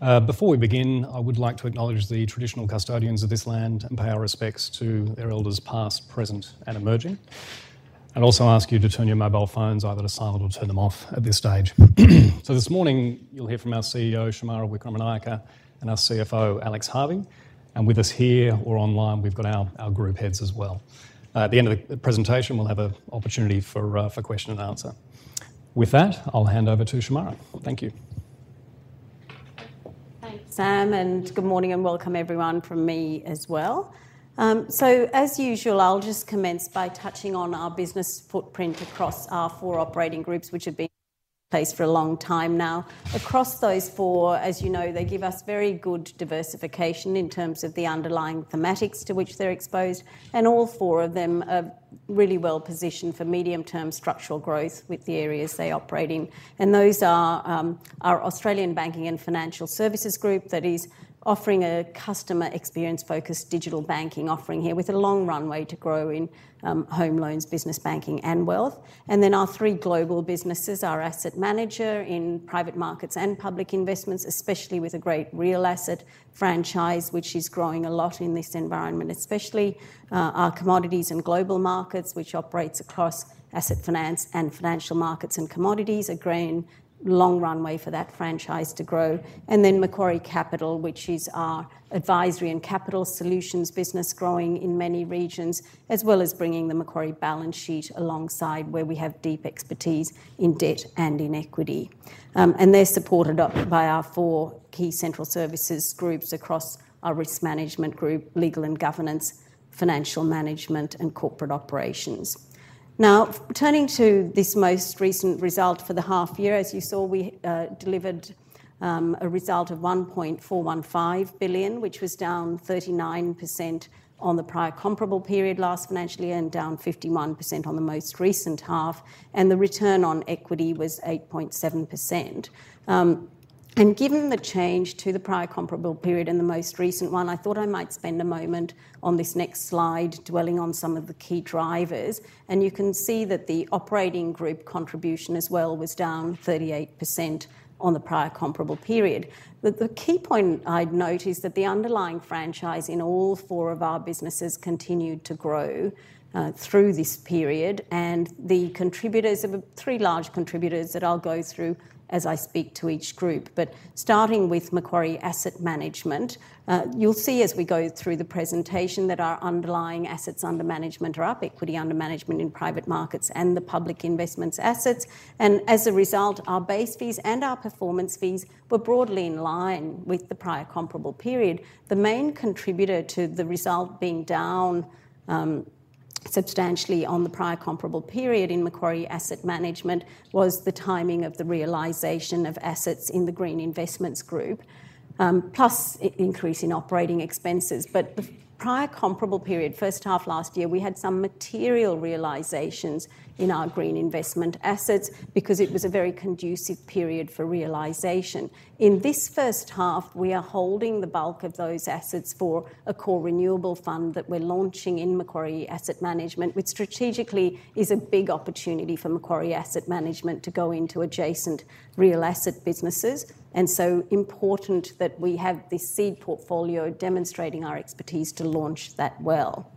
Before we begin, I would like to acknowledge the traditional custodians of this land and pay our respects to their elders, past, present, and emerging. Also ask you to turn your mobile phones either to silent or turn them off at this stage. This morning, you'll hear from our CEO, Shemara Wikramanayake, and our CFO, Alex Harvey. With us here or online, we've got our group heads as well. At the end of the presentation, we'll have a opportunity for question and answer. With that, I'll hand over to Shemara. Thank you. Thanks, Sam, and good morning, and welcome everyone from me as well. So as usual, I'll just commence by touching on our business footprint across our four operating groups, which have been in place for a long time now. Across those four, as you know, they give us very good diversification in terms of the underlying thematics to which they're exposed, and all four of them are really well positioned for medium-term structural growth with the areas they operate in. And those are, our Australian Banking and Financial Services Group that is offering a customer experience-focused digital banking offering here, with a long runway to grow in, home loans, business banking, and wealth. And then our three global businesses, our asset manager in private markets and public investments, especially with a great real asset franchise, which is growing a lot in this environment, especially, our Commodities and Global Markets, which operates across asset finance and financial markets and commodities, agreeing long runway for that franchise to grow. And then Macquarie Capital, which is our advisory and capital solutions business, growing in many regions, as well as bringing the Macquarie balance sheet alongside, where we have deep expertise in debt and in equity. And they're supported up by our four key central services groups across our risk management group, legal and governance, financial management, and corporate operations. Now, turning to this most recent result for the half year, as you saw, we delivered a result of 1.415 billion, which was down 39% on the prior comparable period last financially and down 51% on the most recent half, and the return on equity was 8.7%. Given the change to the prior comparable period and the most recent one, I thought I might spend a moment on this next slide, dwelling on some of the key drivers. You can see that the operating group contribution as well was down 38% on the prior comparable period. But the key point I'd note is that the underlying franchise in all four of our businesses continued to grow through this period, and the three large contributors that I'll go through as I speak to each group. But starting with Macquarie Asset Management, you'll see as we go through the presentation, that our underlying assets under management are up, equity under management in private markets and the public investments assets. And as a result, our base fees and our performance fees were broadly in line with the prior comparable period. The main contributor to the result being down substantially on the prior comparable period in Macquarie Asset Management was the timing of the realization of assets in the Green `Group, plus increase in operating expenses. But the prior comparable period, first half last year, we had some material realizations in our green investment assets because it was a very conducive period for realization. In this first half, we are holding the bulk of those assets for a Core Renewable Fund that we're launching in Macquarie Asset Management, which strategically is a big opportunity for Macquarie Asset Management to go into adjacent real asset businesses, and so important that we have this seed portfolio demonstrating our expertise to launch that well.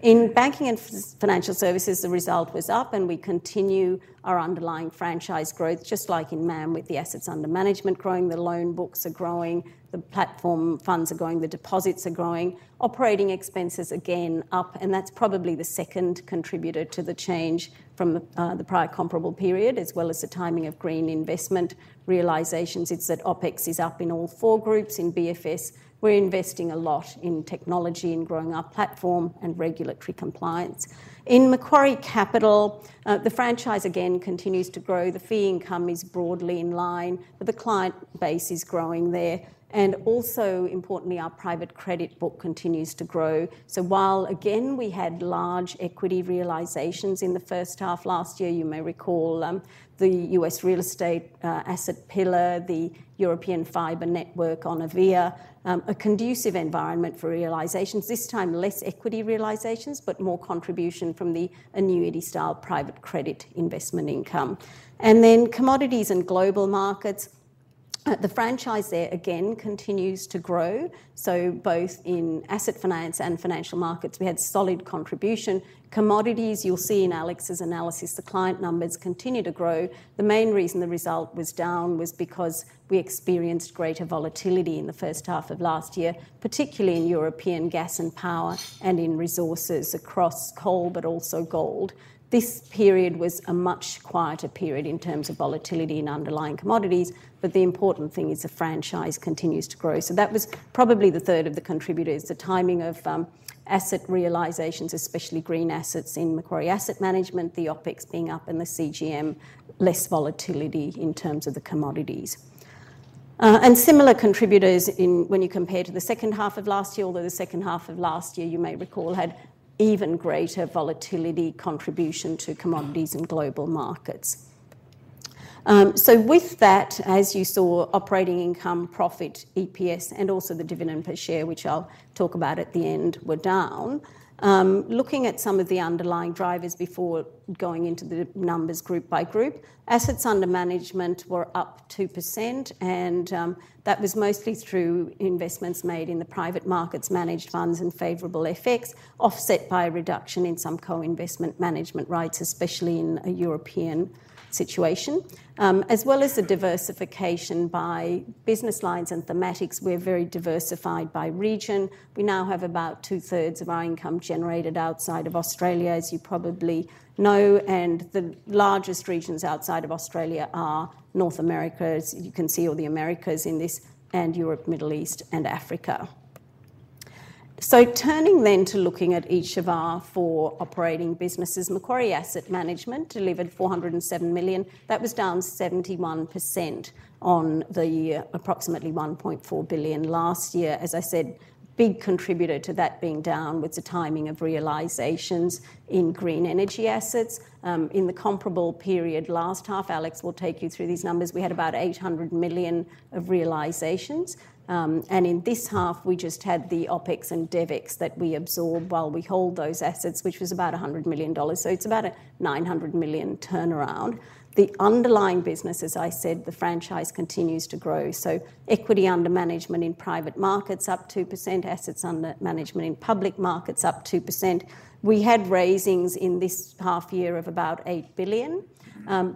In Banking and Financial Services, the result was up, and we continue our underlying franchise growth, just like in MAM, with the assets under management growing, the loan books are growing, the platform funds are growing, the deposits are growing. Operating expenses again, up, and that's probably the second contributor to the change from the, the prior comparable period, as well as the timing of green investment realizations. It's that OpEx is up in all four groups. In BFS, we're investing a lot in technology and growing our platform and regulatory compliance. In Macquarie Capital, the franchise again, continues to grow. The fee income is broadly in line, but the client base is growing there. And also importantly, our private credit book continues to grow. So while again, we had large equity realizations in the first half last year, you may recall, the U.S. real estate asset pillar, the European fiber network Onivia, a conducive environment for realizations. This time, less equity realizations, but more contribution from the annuity-style private credit investment income. And then Commodities and Global Markets, the franchise there again, continues to grow. So both in asset finance and financial markets, we had solid contribution. Commodities, you'll see in Alex's analysis, the client numbers continue to grow. The main reason the result was down was because we experienced greater volatility in the first half of last year, particularly in European gas and power and in resources across coal, but also gold. This period was a much quieter period in terms of volatility in underlying commodities, but the important thing is the franchise continues to grow. So that was probably the third of the contributors, the timing of asset realizations, especially green assets in Macquarie Asset Management, the OpEx being up in the CGM, less volatility in terms of the commodities. And similar contributors in when you compare to the second half of last year, although the second half of last year, you may recall, had even greater volatility contribution to commodities in global markets. So with that, as you saw, operating income, profit, EPS, and also the dividend per share, which I'll talk about at the end, were down. Looking at some of the underlying drivers before going into the numbers group by group. Assets under management were up 2%, and that was mostly through investments made in the private markets, managed funds and favorable effects, offset by a reduction in some co-investment management rights, especially in a European situation. As well as the diversification by business lines and thematics, we're very diversified by region. We now have about 2/3 of our income generated outside of Australia, as you probably know, and the largest regions outside of Australia are North America, as you can see all the Americas in this, and Europe, Middle East, and Africa. Turning then to looking at each of our four operating businesses. Macquarie Asset Management delivered 407 million. That was down 71% on the year, approximately 1.4 billion last year. As I said, big contributor to that being down was the timing of realizations in green energy assets. In the comparable period last half, Alex will take you through these numbers. We had about 800 million of realizations. And in this half, we just had the OpEx and DevEx that we absorb while we hold those assets, which was about 100 million dollars. So it's about 900 million turnaround. The underlying business, as I said, the franchise continues to grow. So equity under management in private markets, up 2%. Assets under management in public markets, up 2%. We had raisings in this half year of about 8 billion.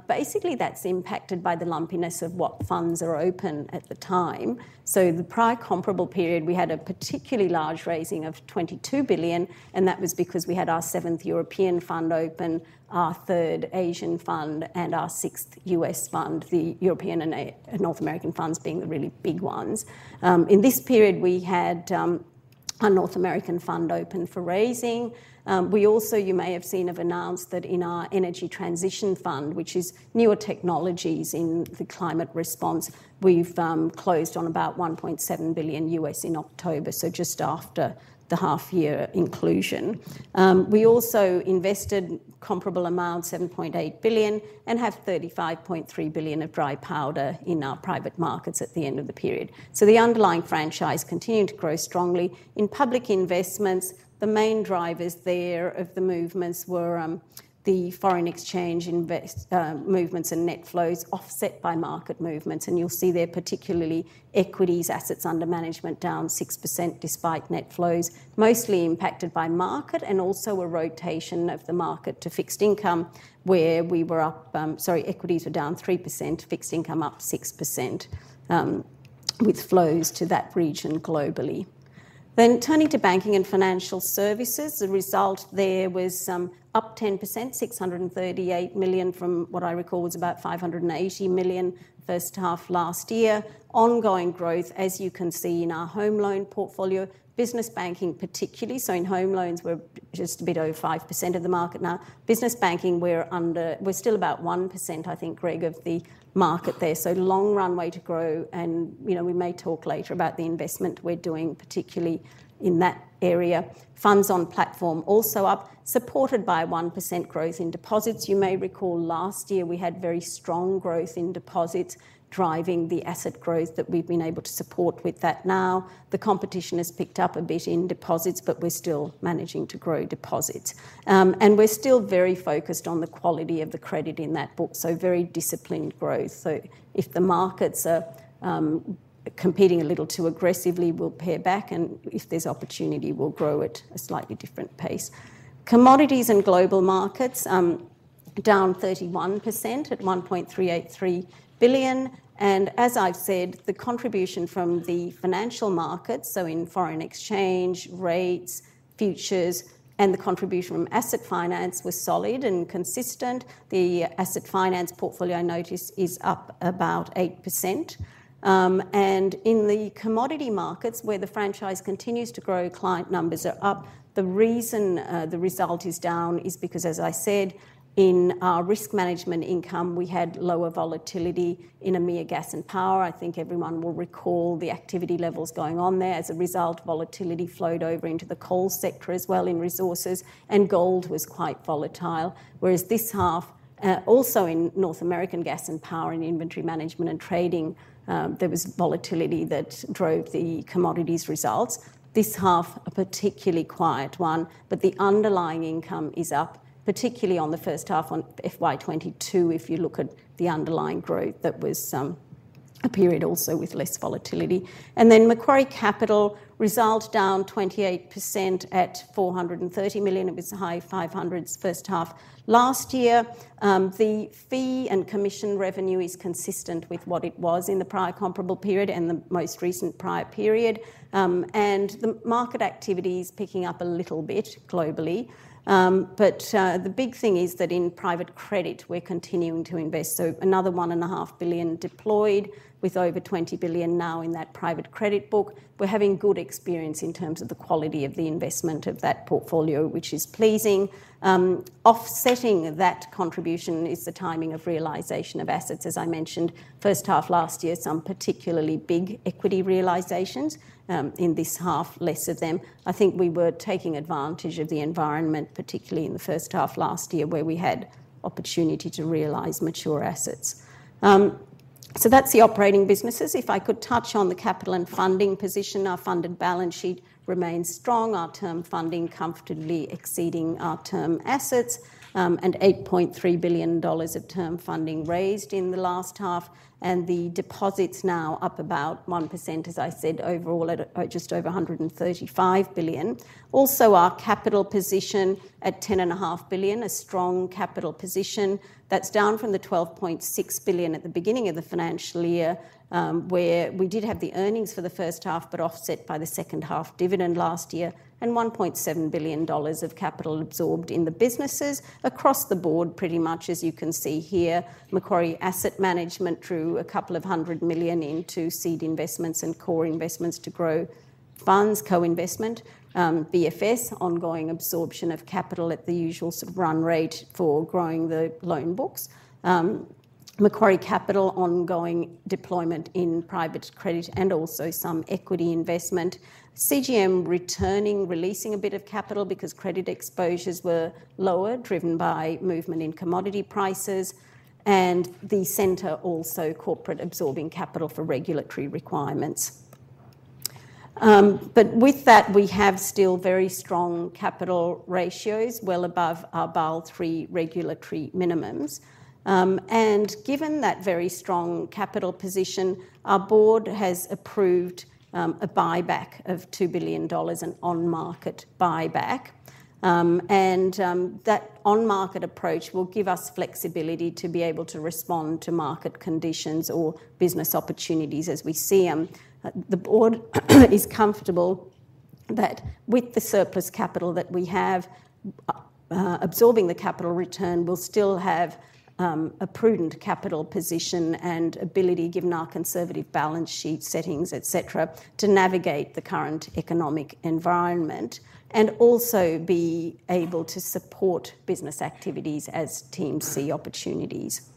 Basically, that's impacted by the lumpiness of what funds are open at the time. So the prior comparable period, we had a particularly large raising of 22 billion, and that was because we had our seventh European fund open, our third Asian fund, and our sixth U.S. fund, the European and North American funds being the really big ones. In this period, we had a North American fund open for raising. We also, you may have seen, have announced that in our Energy Transition Fund, which is newer technologies in the climate response, we've closed on about $1.7 billion in October, so just after the half year inclusion. We also invested comparable amount, $7.8 billion, and have $35.3 billion of dry powder in our private markets at the end of the period. So the underlying franchise continued to grow strongly. In public investments, the main drivers there of the movements were the foreign exchange movements and net flows, offset by market movements. You'll see there, particularly equities, assets under management, down 6%, despite net flows, mostly impacted by market and also a rotation of the market to fixed income, where we were up, sorry, equities were down 3%, fixed income up 6%, with flows to that region globally. Then turning to Banking and Financial Services, the result there was up 10%, 638 million, from what I recall, was about 580 million first half last year. Ongoing growth, as you can see in our home loan portfolio, Business Banking, particularly. So in home loans, we're just a bit over 5% of the market now. Business banking, we're still about 1%, I think, Greg, of the market there. So long runway to grow, and, you know, we may talk later about the investment we're doing, particularly in that area. Funds on platform also up, supported by a 1% growth in deposits. You may recall last year, we had very strong growth in deposits, driving the asset growth that we've been able to support with that. Now, the competition has picked up a bit in deposits, but we're still managing to grow deposits. And we're still very focused on the quality of the credit in that book, so very disciplined growth. So if the markets are competing a little too aggressively, we'll pare back, and if there's opportunity, we'll grow at a slightly different pace. Commodities and Global Markets, down 31% at 1.383 billion. As I've said, the contribution from the financial markets, so in foreign exchange, rates, futures, and the contribution from Asset Finance was solid and consistent. The Asset Finance portfolio, I notice, is up about 8%. And in the commodity markets, where the franchise continues to grow, client numbers are up. The reason the result is down is because, as I said, in our risk management EMEA Gas and Power, i think everyone will recall the activity levels going on there. As a result, volatility flowed over into the coal sector as well in resources, and gold was quite volatile. Whereas North American Gas and Power and inventory management and trading, there was volatility that drove the commodities results. This half, a particularly quiet one, but the underlying income is up, particularly on the first half of FY 2022, if you look at the underlying growth, that was, a period also with less volatility. And then Macquarie Capital, result down 28% at 430 million. It was a high 500s first half last year, the fee and commission revenue is consistent with what it was in the prior comparable period and the most recent prior period. And the market activity is picking up a little bit globally. But, the big thing is that in private credit, we're continuing to invest. So another 1.5 billion deployed, with over 20 billion now in that private credit book. We're having good experience in terms of the quality of the investment of that portfolio, which is pleasing. Offsetting that contribution is the timing of realization of assets. As I mentioned, first half last year, some particularly big equity realizations. In this half, less of them. I think we were taking advantage of the environment, particularly in the first half last year, where we had opportunity to realize mature assets. So that's the operating businesses. If I could touch on the capital and funding position, our funded balance sheet remains strong, our term funding comfortably exceeding our term assets, and 8.3 billion dollars of term funding raised in the last half, and the deposits now up about 1%, as I said, overall, at just over 135 billion. Also, our capital position at 10.5 billion, a strong capital position. That's down from the 12.6 billion at the beginning of the financial year, where we did have the earnings for the first half, but offset by the second half dividend last year, and 1.7 billion dollars of capital absorbed in the businesses across the board, pretty much as you can see here. Macquarie Asset Management drew a couple of hundred million into seed investments and core investments to grow funds, co-investment. BFS, ongoing absorption of capital at the usual sort of run rate for growing the loan books. Macquarie Capital, ongoing deployment in private credit and also some equity investment. CGM returning, releasing a bit of capital because credit exposures were lower, driven by movement in commodity prices, and the center also corporate absorbing capital for regulatory requirements. But with that, we have still very strong capital ratios, well above our Basel III regulatory minimums. And given that very strong capital position, our board has approved a buyback of 2 billion dollars, an on-market buyback. And that on-market approach will give us flexibility to be able to respond to market conditions or business opportunities as we see them. The board is comfortable that with the surplus capital that we have, absorbing the capital return, we'll still have a prudent capital position and ability, given our conservative balance sheet settings, et cetera, to navigate the current economic environment, and also be able to support business activities as teams see opportunities.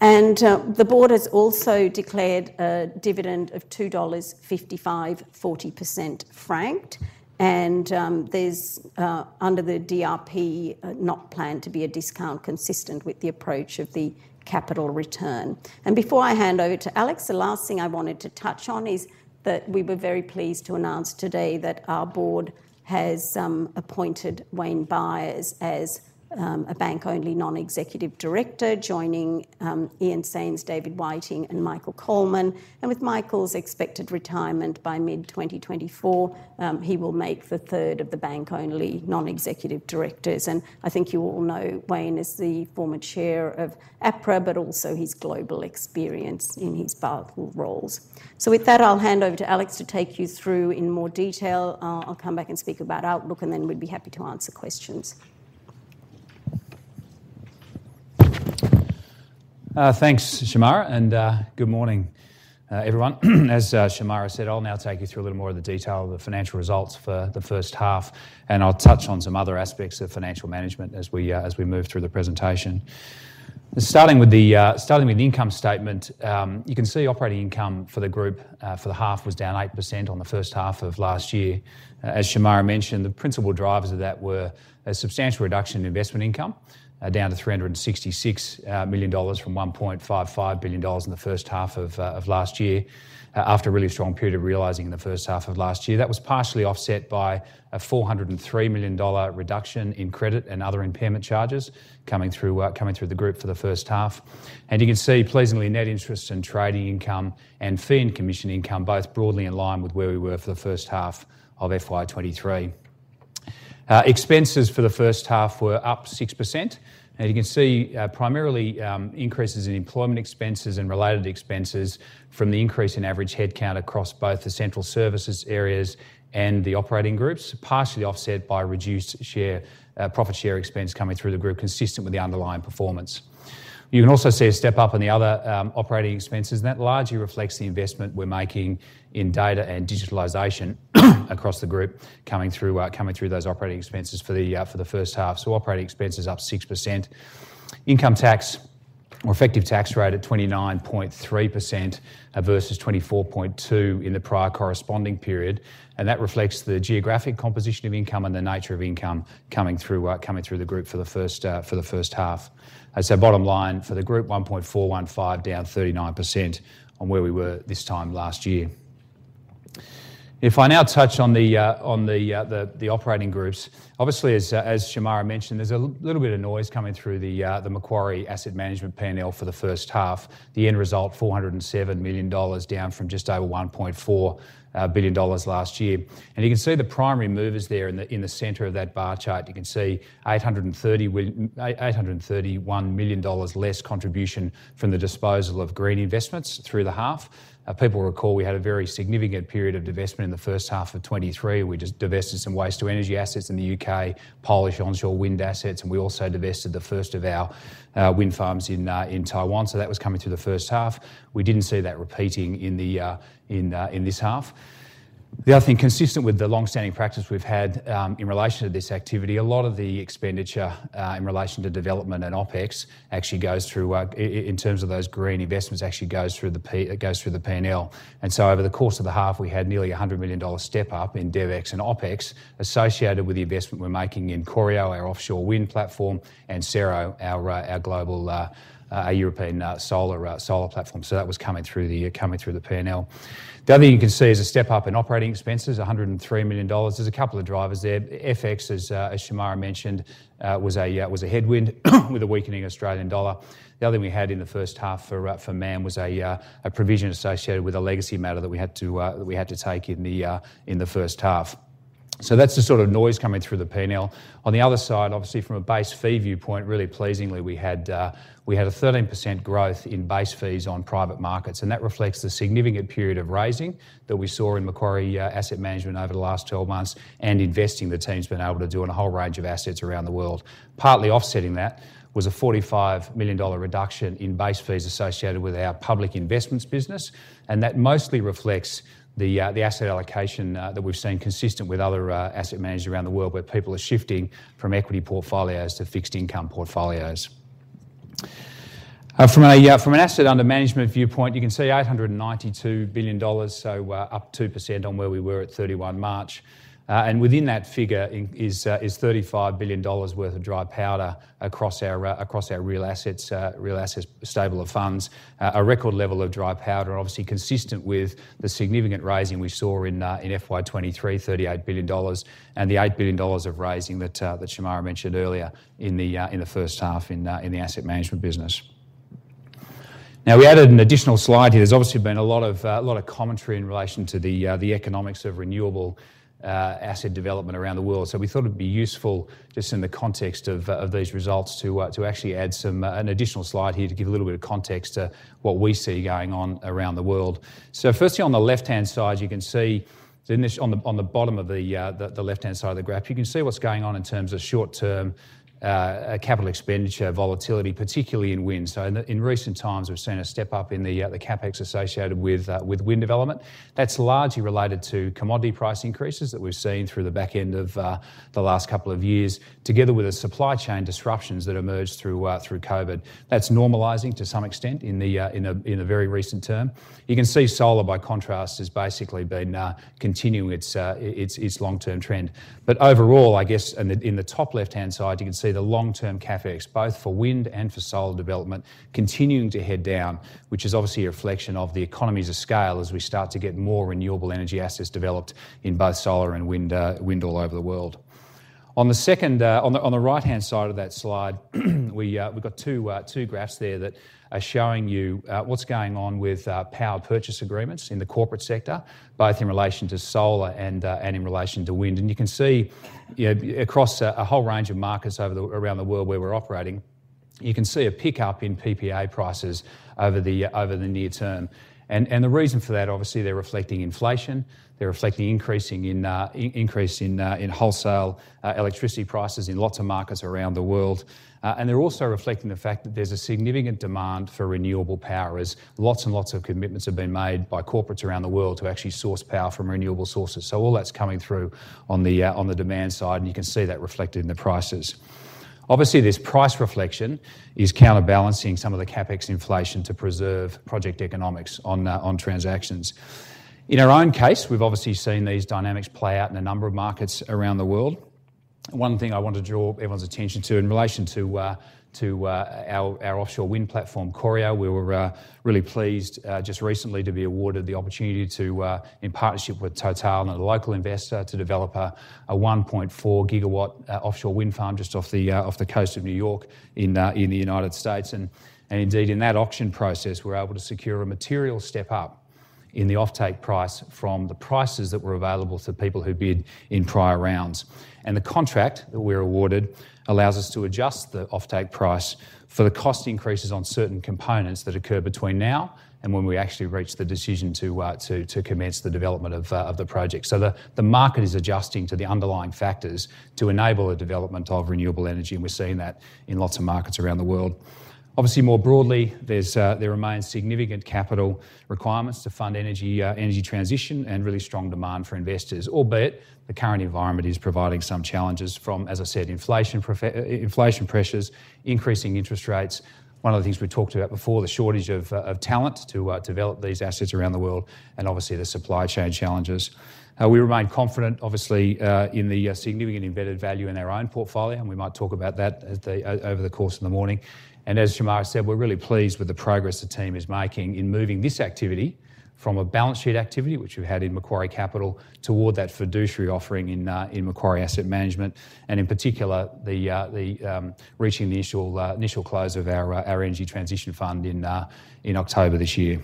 The board has also declared a dividend of 2.55 dollars, 40% franked, and there's under the DRP, not planned to be a discount consistent with the approach of the capital return. Before I hand over to Alex, the last thing I wanted to touch on is that we were very pleased to announce today that our board has appointed Wayne Byres as a bank-only non-executive director, joining Ian Saines, David Whiteing, and Michael Coleman. With Michael's expected retirement by mid-2024, he will make the third of the bank-only non-executive directors. I think you all know Wayne is the former Chair of APRA, but also his global experience in his powerful roles. So with that, I'll hand over to Alex to take you through in more detail. I'll come back and speak about outlook, and then we'd be happy to answer questions. Thanks, Shemara, and good morning, everyone. As Shemara said, I'll now take you through a little more of the detail of the financial results for the first half, and I'll touch on some other aspects of financial management as we move through the presentation. Starting with the income statement, you can see operating income for the group for the half was down 8% on the first half of last year. As Shemara mentioned, the principal drivers of that were a substantial reduction in investment income down to 366 million dollars from 1.55 billion dollars in the first half of last year after a really strong period of realizing in the first half of last year. That was partially offset by an 403 million dollar reduction in credit and other impairment charges coming through, coming through the group for the first half. You can see, pleasantly, net interest and trading income and fee and commission income, both broadly in line with where we were for the first half of FY 2023. Expenses for the first half were up 6%, and you can see, primarily, increases in employment expenses and related expenses from the increase in average headcount across both the central services areas and the operating groups, partially offset by reduced share, profit share expense coming through the group, consistent with the underlying performance. You can also see a step up in the other, operating expenses, and that largely reflects the investment we're making in data and digitalization across the group, coming through, coming through those operating expenses for the, for the first half. So operating expenses up 6%. Income tax or effective tax rate at 29.3% versus 24.2% in the prior corresponding period, and that reflects the geographic composition of income and the nature of income coming through, coming through the group for the first, for the first half. As our bottom line for the group, 1.415 billion, down 39% on where we were this time last year. If I now touch on the operating groups, obviously as Shemara mentioned, there's a little bit of noise coming through the Macquarie Asset Management P&L for the first half. The end result, 407 million dollars, down from just over 1.4 billion dollars last year. You can see the primary movers there in the center of that bar chart. You can see 831 million dollars less contribution from the disposal of green investments through the half. People will recall we had a very significant period of divestment in the first half of 2023. We just divested some waste to energy assets in the U.K., Polish onshore wind assets, and we also divested the first of our wind farms in Taiwan. So that was coming through the first half. We didn't see that repeating in this half. The other thing, consistent with the long-standing practice we've had, in relation to this activity, a lot of the expenditure in relation to development and OpEx actually goes through in terms of those green investments, actually goes through the P&L. And so over the course of the half, we had nearly $100 million step-up in DevEx and OpEx associated with the investment we're making in Corio, our offshore wind platform, and Cero, our global European solar platform. So that was coming through the P&L. The other thing you can see is a step-up in operating expenses, 103 million dollars. There's a couple of drivers there. FX, as Shemara mentioned, was a headwind with a weakening Australian dollar. The other thing we had in the first half for MAM was a provision associated with a legacy matter that we had to take in the first half. So that's the sort of noise coming through the P&L. On the other side, obviously from a base fee viewpoint, really pleasingly, we had, we had a 13% growth in base fees on private markets, and that reflects the significant period of raising that we saw in Macquarie Asset Management over the last 12 months and investing the team's been able to do in a whole range of assets around the world. Partly offsetting that was a 45 million dollar reduction in base fees associated with our public investments business, and that mostly reflects the, the asset allocation, that we've seen consistent with other, asset managers around the world, where people are shifting from equity portfolios to fixed income portfolios. From a, from an asset under management viewpoint, you can see 892 billion dollars, so, up 2% on where we were at 31 March. And within that figure in, is, is $35 billion worth of dry powder across our, across our real assets, real assets stable of funds. A record level of dry powder, obviously consistent with the significant raising we saw in, in FY 2023, $38 billion, and the $8 billion of raising that, that Shemara mentioned earlier in the, in the first half in, in the Asset Management business. Now, we added an additional slide here. There's obviously been a lot of, a lot of commentary in relation to the, the economics of renewable asset development around the world. So we thought it'd be useful, just in the context of, of these results, to, to actually add some. An additional slide here to give a little bit of context to what we see going on around the world. So firstly, on the left-hand side, you can see, on the bottom of the left-hand side of the graph, you can see what's going on in terms of short-term capital expenditure volatility, particularly in wind. So in recent times, we've seen a step-up in the CapEx associated with wind development. That's largely related to commodity price increases that we've seen through the back end of the last couple of years, together with the supply chain disruptions that emerged through COVID. That's normalizing to some extent in a very recent term. You can see solar, by contrast, has basically been continuing its long-term trend. But overall, I guess, in the top left-hand side, you can see the long-term CapEx, both for wind and for solar development, continuing to head down, which is obviously a reflection of the economies of scale as we start to get more renewable energy assets developed in both solar and wind, wind all over the world. On the right-hand side of that slide, we've got two graphs there that are showing you what's going on with power purchase agreements in the corporate sector, both in relation to solar and in relation to wind. And you can see, you know, across a whole range of markets around the world where we're operating, you can see a pick-up in PPA prices over the near term. And the reason for that, obviously, they're reflecting inflation, they're reflecting increase in wholesale electricity prices in lots of markets around the world. And they're also reflecting the fact that there's a significant demand for renewable power, as lots and lots of commitments have been made by corporates around the world to actually source power from renewable sources. So all that's coming through on the demand side, and you can see that reflected in the prices. Obviously, this price reflection is counterbalancing some of the CapEx inflation to preserve project economics on transactions. In our own case, we've obviously seen these dynamics play out in a number of markets around the world. One thing I want to draw everyone's attention to in relation to our offshore wind platform, Corio, we were really pleased just recently to be awarded the opportunity to in partnership with Total and a local investor, to develop a 1.4 GW offshore wind farm just off the coast of New York in the United States. And indeed, in that auction process, we're able to secure a material step-up in the offtake price from the prices that were available to people who bid in prior rounds. And the contract that we're awarded allows us to adjust the offtake price for the cost increases on certain components that occur between now and when we actually reach the decision to commence the development of the project. So the market is adjusting to the underlying factors to enable the development of renewable energy, and we're seeing that in lots of markets around the world. Obviously, more broadly, there remains significant capital requirements to fund energy transition and really strong demand for investors. Albeit, the current environment is providing some challenges from, as I said, inflation pressures, increasing interest rates. One of the things we talked about before, the shortage of talent to develop these assets around the world, and obviously, the supply chain challenges. We remain confident, obviously, in the significant embedded value in our own portfolio, and we might talk about that over the course of the morning. As Shemara said, we're really pleased with the progress the team is making in moving this activity from a balance sheet activity, which we had in Macquarie Capital, toward that fiduciary offering in Macquarie Asset Management, and in particular, the reaching the initial close of our energy transition fund in October this year.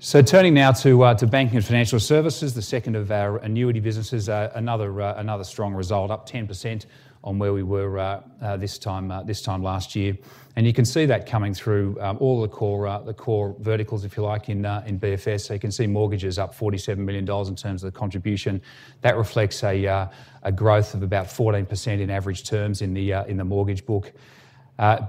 So turning now to Banking and Financial Services, the second of our annuity businesses, another strong result, up 10% on where we were this time last year. And you can see that coming through all the core verticals, if you like, in BFS. So you can see mortgages up 47 million dollars in terms of the contribution. That reflects a growth of about 14% in average terms in the mortgage book.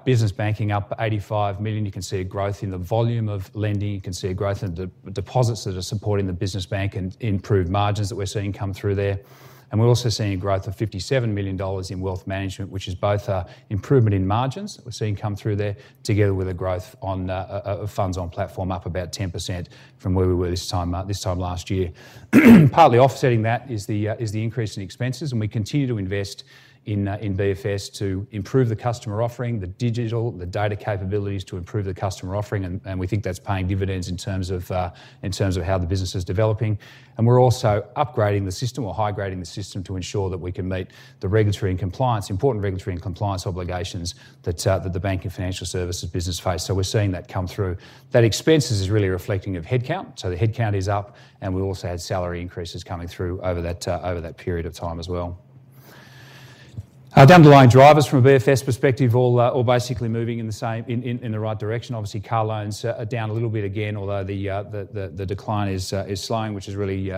Business banking up 85 million. You can see a growth in the volume of lending, you can see a growth in the deposits that are supporting the business bank and improved margins that we're seeing come through there. And we're also seeing a growth of 57 million dollars in Wealth Management, which is both improvement in margins that we're seeing come through there, together with a growth of funds on platform up about 10% from where we were this time last year. Partly offsetting that is the increase in expenses, and we continue to invest in BFS to improve the customer offering, the digital, the data capabilities to improve the customer offering. We think that's paying dividends in terms of how the business is developing. We're also upgrading the system or high-grading the system to ensure that we can meet the regulatory and compliance, important regulatory and compliance obligations that the bank and financial services business face. So we're seeing that come through. That expenses is really reflecting of headcount. So the headcount is up, and we also had salary increases coming through over that period of time as well. Our underlying drivers from a BFS perspective all basically moving in the right direction. Obviously, car loans are down a little bit again, although the decline is slowing, which is really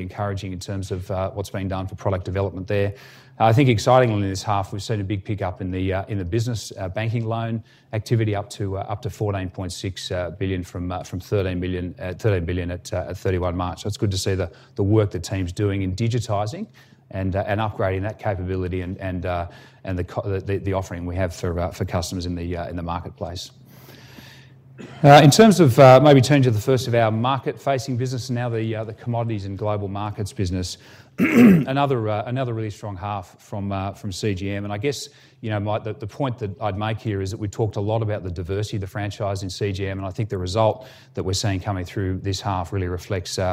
encouraging in terms of what's being done for product development there. I think excitingly in this half, we've seen a big pickup in the business banking loan activity up to 14.6 billion from 13 billion, 13 billion at 31 March. So it's good to see the work the team's doing in digitizing and upgrading that capability and the offering we have for customers in the marketplace. In terms of maybe turning to the first of our market-facing business and now the Commodities and Global Markets business, another really strong half from CGM. And I guess, you know, Mike, the point that I'd make here is that we talked a lot about the diversity of the franchise in CGM, and I think the result that we're seeing coming through this half really reflects, you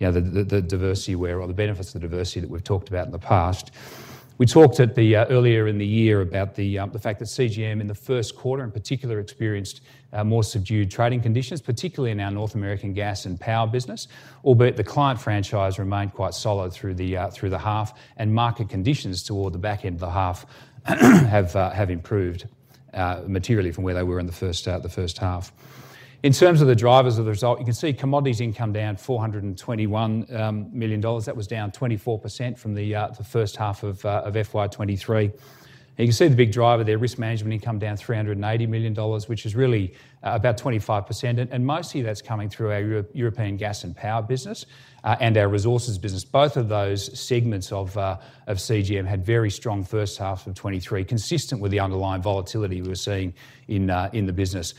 know, the diversity or the benefits of the diversity that we've talked about in the past. We talked earlier in the year about the fact that CGM in the first quarter, in particular, experienced more subdued trading North American Gas and Power business, albeit the client franchise remained quite solid through the half, and market conditions toward the back end of the half have improved materially from where they were in the first half. In terms of the drivers of the result, you can see commodities income down 421 million dollars. That was down 24% from the first half of FY 2023. And you can see the big driver there, risk management income down 380 million dollars, which is really about 25%. And mostly that's coming through our European gas and power business and our resources business. Both of those segments of CGM had very strong first half of 2023, consistent with the underlying volatility we were seeing in the business.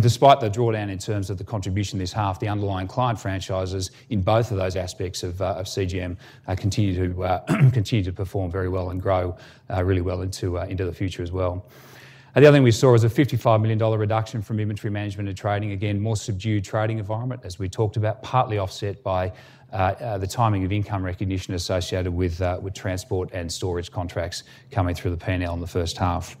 Despite the drawdown in terms of the contribution this half, the underlying client franchises in both of those aspects of CGM continue to perform very well and grow really well into the future as well. The other thing we saw was a 55 million dollar reduction from inventory management and trading. Again, more subdued trading environment, as we talked about, partly offset by the timing of income recognition associated with transport and storage contracts coming through the P&L in the first half.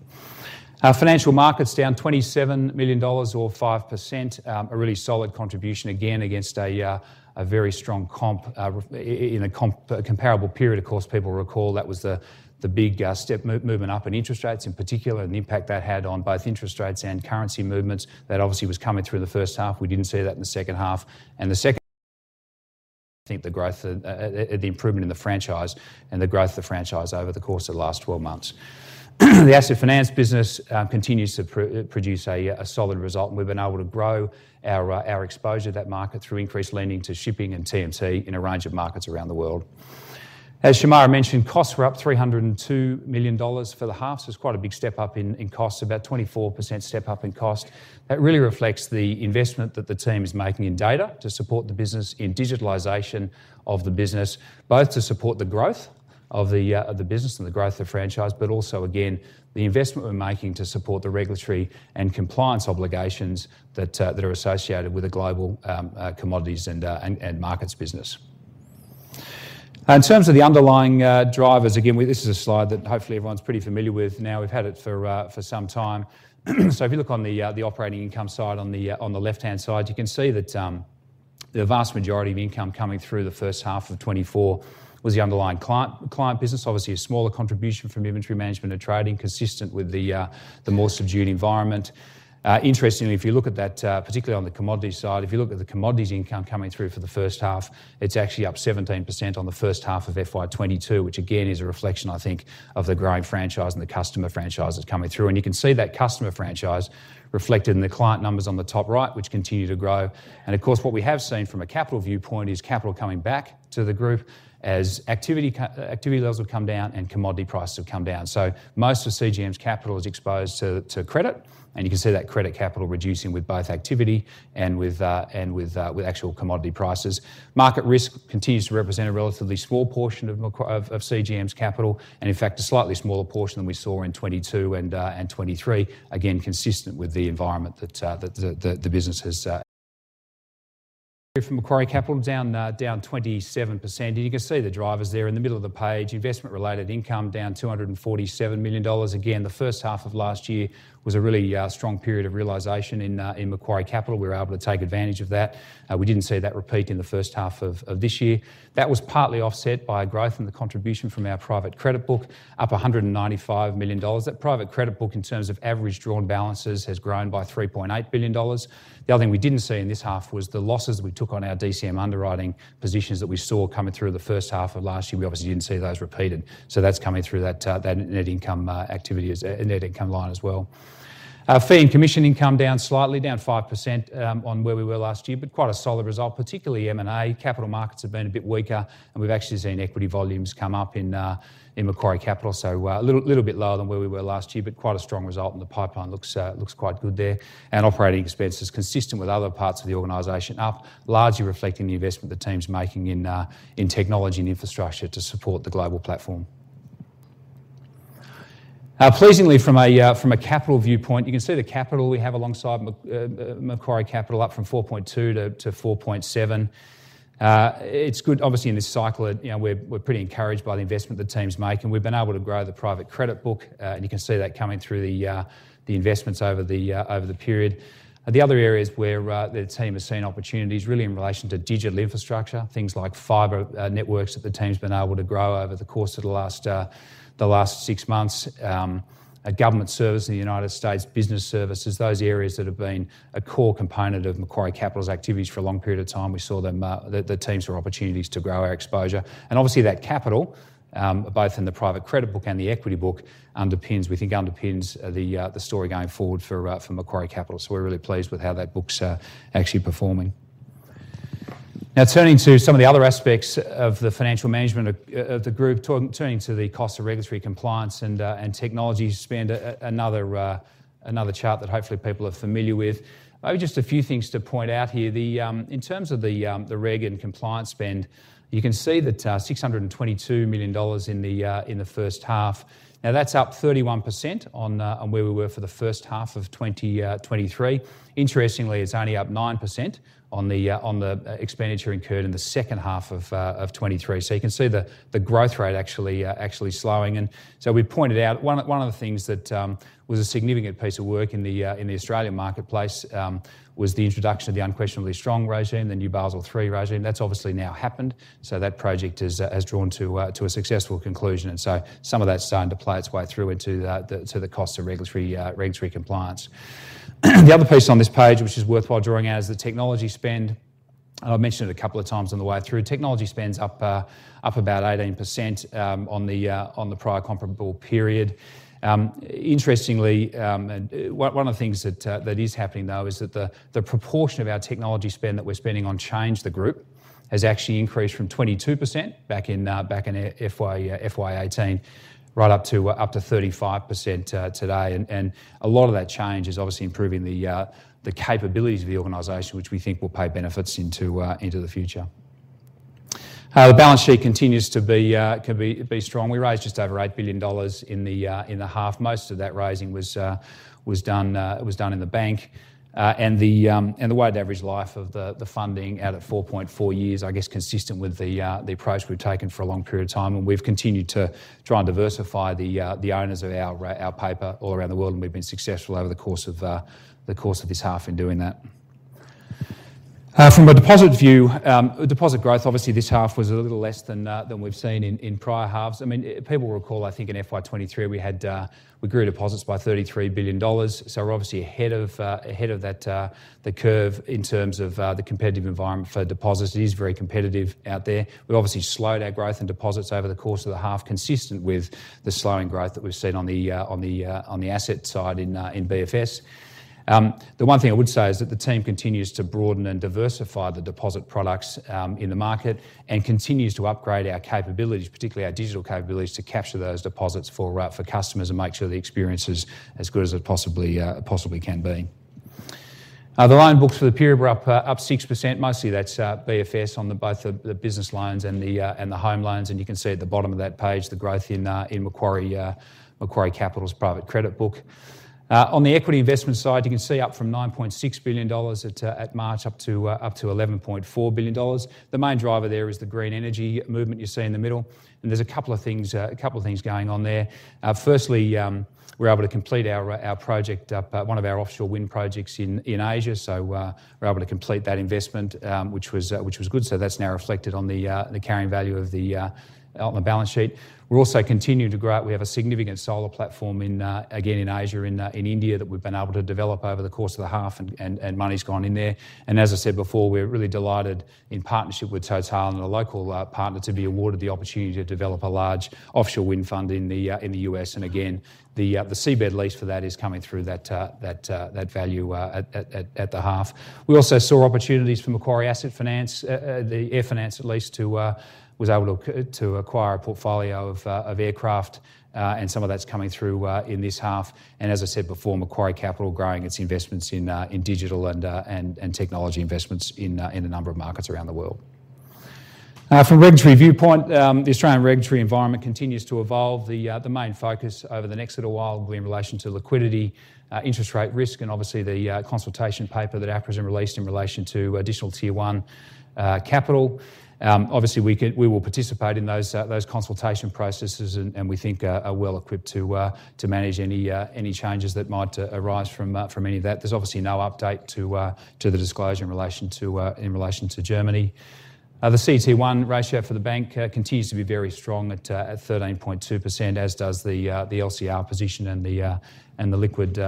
Our financial markets down 27 million dollars or 5%. A really solid contribution again against a very strong comparable period. Of course, people recall that was the big step movement up in interest rates in particular, and the impact that had on both interest rates and currency movements. That obviously was coming through in the first half. We didn't see that in the second half. I think the growth, the improvement in the franchise and the growth of the franchise over the course of the last twelve months. The Asset Finance business continues to produce a solid result, and we've been able to grow our exposure to that market through increased lending to shipping and TMT in a range of markets around the world. As Shemara mentioned, costs were up 302 million dollars for the half. It's quite a big step-up in costs, about 24% step-up in cost. That really reflects the investment that the team is making in data to support the business, in digitalization of the business, both to support the growth of the business and the growth of the franchise, but also, again, the investment we're making to support the regulatory and compliance obligations that are associated with the global Commodities and Global Markets business. In terms of the underlying drivers, again, this is a slide that hopefully everyone's pretty familiar with now. We've had it for some time. So if you look on the operating income side on the left-hand side, you can see that the vast majority of income coming through the first half of 2024 was the underlying client, client business. Obviously, a smaller contribution from inventory management and trading, consistent with the more subdued environment. Interestingly, if you look at that, particularly on the commodity side, if you look at the commodities income coming through for the first half, it's actually up 17% on the first half of FY 2022, which again, is a reflection, I think, of the growing franchise and the customer franchises coming through. And you can see that customer franchise reflected in the client numbers on the top right, which continue to grow. Of course, what we have seen from a capital viewpoint is capital coming back to the group as activity levels have come down and commodity prices have come down. So most of CGM's capital is exposed to credit, and you can see that credit capital reducing with both activity and with actual commodity prices. Market risk continues to represent a relatively small portion of CGM's capital, and in fact, a slightly smaller portion than we saw in 2022 and 2023, again, consistent with the environment that the business has [inaudible] from Macquarie Capital, down 27%. And you can see the drivers there in the middle of the page. Investment-related income down 247 million dollars. Again, the first half of last year was a really strong period of realization in Macquarie Capital. We were able to take advantage of that. We didn't see that repeat in the first half of this year. That was partly offset by a growth in the contribution from our private credit book, up 195 million dollars. That private credit book, in terms of average drawn balances, has grown by 3.8 billion dollars. The other thing we didn't see in this half was the losses we took on our DCM underwriting positions that we saw coming through the first half of last year. We obviously didn't see those repeated. So that's coming through that net income activity as a net income line as well. Our fee and commission income down slightly, down 5%, on where we were last year, but quite a solid result, particularly M&A. Capital markets have been a bit weaker, and we've actually seen equity volumes come up in Macquarie Capital. So, a little bit lower than where we were last year, but quite a strong result, and the pipeline looks quite good there. And operating expenses, consistent with other parts of the organization, up largely reflecting the investment the team's making in technology and infrastructure to support the global platform. Pleasingly, from a capital viewpoint, you can see the capital we have alongside Macquarie Capital, up from 4.2 to 4.7. It's good obviously in this cycle that, you know, we're, we're pretty encouraged by the investment the team's making. We've been able to grow the private credit book, and you can see that coming through the investments over the period. The other areas where the team has seen opportunities really in relation to digital infrastructure, things like fiber networks that the team's been able to grow over the course of the last six months. Government services in the United States, business services, those areas that have been a core component of Macquarie Capital's activities for a long period of time. We saw them, the teams saw opportunities to grow our exposure. And obviously that capital, both in the private credit book and the equity book, underpins, we think underpins the, the story going forward for, for Macquarie Capital. So we're really pleased with how that book's, actually performing. Now, turning to some of the other aspects of the financial management of, of the group, turning to the cost of regulatory compliance and, and technology spend, another, another chart that hopefully people are familiar with. Maybe just a few things to point out here. The, in terms of the, the reg and compliance spend, you can see that, 622 million dollars in the, in the first half. Now, that's up 31% on, on where we were for the first half of 2023. Interestingly, it's only up 9% on the expenditure incurred in the second half of 2023. So you can see the growth rate actually slowing. And so we pointed out one of the things that was a significant piece of work in the Australian marketplace was the introduction of the "Unquestionably Strong" regime, the new Basel III regime. That's obviously now happened, so that project has drawn to a successful conclusion. And so some of that's starting to play its way through into the cost of regulatory compliance. The other piece on this page, which is worthwhile drawing out, is the technology spend. And I've mentioned it a couple of times on the way through. Technology spend's up about 18% on the prior comparable period. Interestingly, one of the things that is happening, though, is that the proportion of our technology spend that we're spending on change the group has actually increased from 22% back in FY 2018 right up to 35% today. A lot of that change is obviously improving the capabilities of the organization, which we think will pay benefits into the future. The balance sheet continues to be strong. We raised just over 8 billion dollars in the half. Most of that raising was done in the bank. And the weighted average life of the funding out at 4.4 years, I guess, consistent with the approach we've taken for a long period of time, and we've continued to try and diversify the owners of our paper all around the world, and we've been successful over the course of this half in doing that. From a deposit view, deposit growth, obviously, this half was a little less than we've seen in prior halves. I mean, people will recall, I think, in FY 2023, we had, we grew deposits by $33 billion. So we're obviously ahead of the curve in terms of the competitive environment for deposits. It is very competitive out there. We've obviously slowed our growth in deposits over the course of the half, consistent with the slowing growth that we've seen on the asset side in BFS. The one thing I would say is that the team continues to broaden and diversify the deposit products in the market and continues to upgrade our capabilities, particularly our digital capabilities, to capture those deposits for customers and make sure the experience is as good as it possibly can be. The loan books for the period were up 6%. Mostly that's BFS on both the business loans and the home loans, and you can see at the bottom of that page, the growth in Macquarie Capital's private credit book. On the equity investment side, you can see up from 9.6 billion dollars at March up to 11.4 billion dollars. The main driver there is the green energy movement you see in the middle, and there's a couple of things, a couple of things going on there. Firstly, we're able to complete our project, one of our offshore wind projects in Asia. So, we're able to complete that investment, which was good. So that's now reflected on the carrying value of the on the balance sheet. We're also continuing to grow. We have a significant solar platform in, again, in Asia, in India, that we've been able to develop over the course of the half, and money's gone in there. And as I said before, we're really delighted in partnership with Total and a local partner to be awarded the opportunity to develop a large offshore wind farm in the U.S. And again, the seabed lease for that is coming through that value at the half. We also saw opportunities for Macquarie Asset Finance, the air finance at least, to acquire a portfolio of aircraft, and some of that's coming through in this half. As I said before, Macquarie Capital growing its investments in digital and technology investments in a number of markets around the world. From a regulatory viewpoint, the Australian regulatory environment continues to evolve. The main focus over the next little while will be in relation to liquidity, interest rate risk, and obviously the consultation paper that APRA's released in relation to additional Tier 1 capital. Obviously we will participate in those consultation processes and we think we are well-equipped to manage any changes that might arise from any of that. There's obviously no update to the disclosure in relation to Germany. The CET1 ratio for the bank continues to be very strong at 13.2%, as does the LCR position and the liquid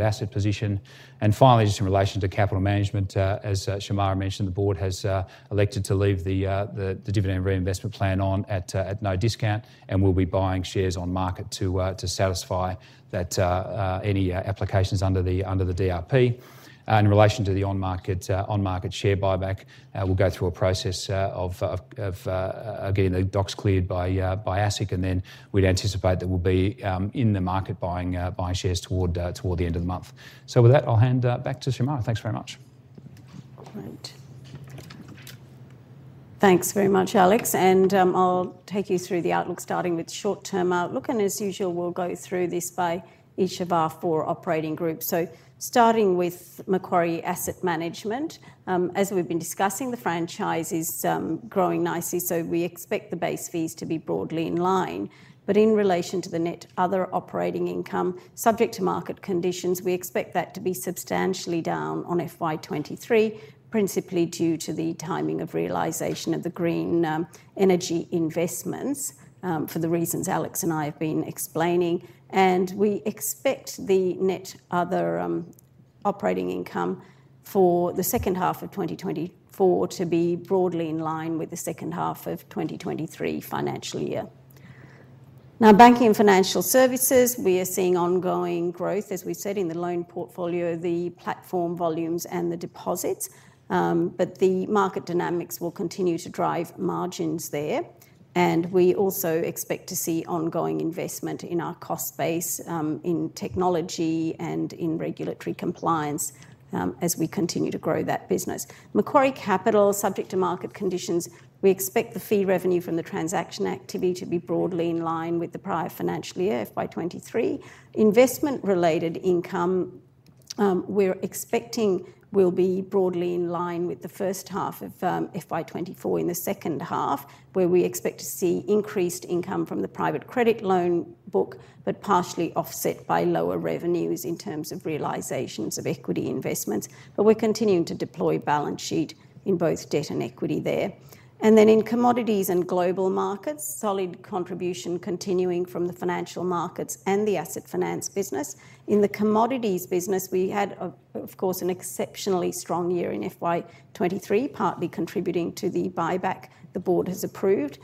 asset position. And finally, just in relation to capital management, as Shemara mentioned, the board has elected to leave the dividend reinvestment plan on at no discount, and we'll be buying shares on market to satisfy that any applications under the DRP. In relation to the on-market share buyback, we'll go through a process of getting the docs cleared by ASIC, and then we'd anticipate that we'll be in the market buying shares toward the end of the month. With that, I'll hand back to Shemara. Thanks very much. Great. Thanks very much, Alex, and I'll take you through the outlook, starting with short-term outlook, and as usual, we'll go through this by each of our four operating groups. So starting with Macquarie Asset Management, as we've been discussing, the franchise is growing nicely, so we expect the base fees to be broadly in line. But in relation to the net other operating income, subject to market conditions, we expect that to be substantially down on FY 2023, principally due to the timing of realization of the green energy investments, for the reasons Alex and I have been explaining. And we expect the net other operating income for the second half of 2024 to be broadly in line with the second half of 2023 financial year. Now, banking and financial services, we are seeing ongoing growth, as we said, in the loan portfolio, the platform volumes and the deposits. But the market dynamics will continue to drive margins there, and we also expect to see ongoing investment in our cost base, in technology and in regulatory compliance, as we continue to grow that business. Macquarie Capital, subject to market conditions, we expect the fee revenue from the transaction activity to be broadly in line with the prior financial year, FY 2023. Investment-related income, we're expecting will be broadly in line with the first half of FY 2024 in the second half, where we expect to see increased income from the private credit loan book, but partially offset by lower revenues in terms of realizations of equity investments. But we're continuing to deploy balance sheet in both debt and equity there. Then in Commodities and Global Markets, solid contribution continuing from the financial markets and the Asset Finance business. In the commodities business, we had, of course, an exceptionally strong year in FY 2023, partly contributing to the buyback the board has approved.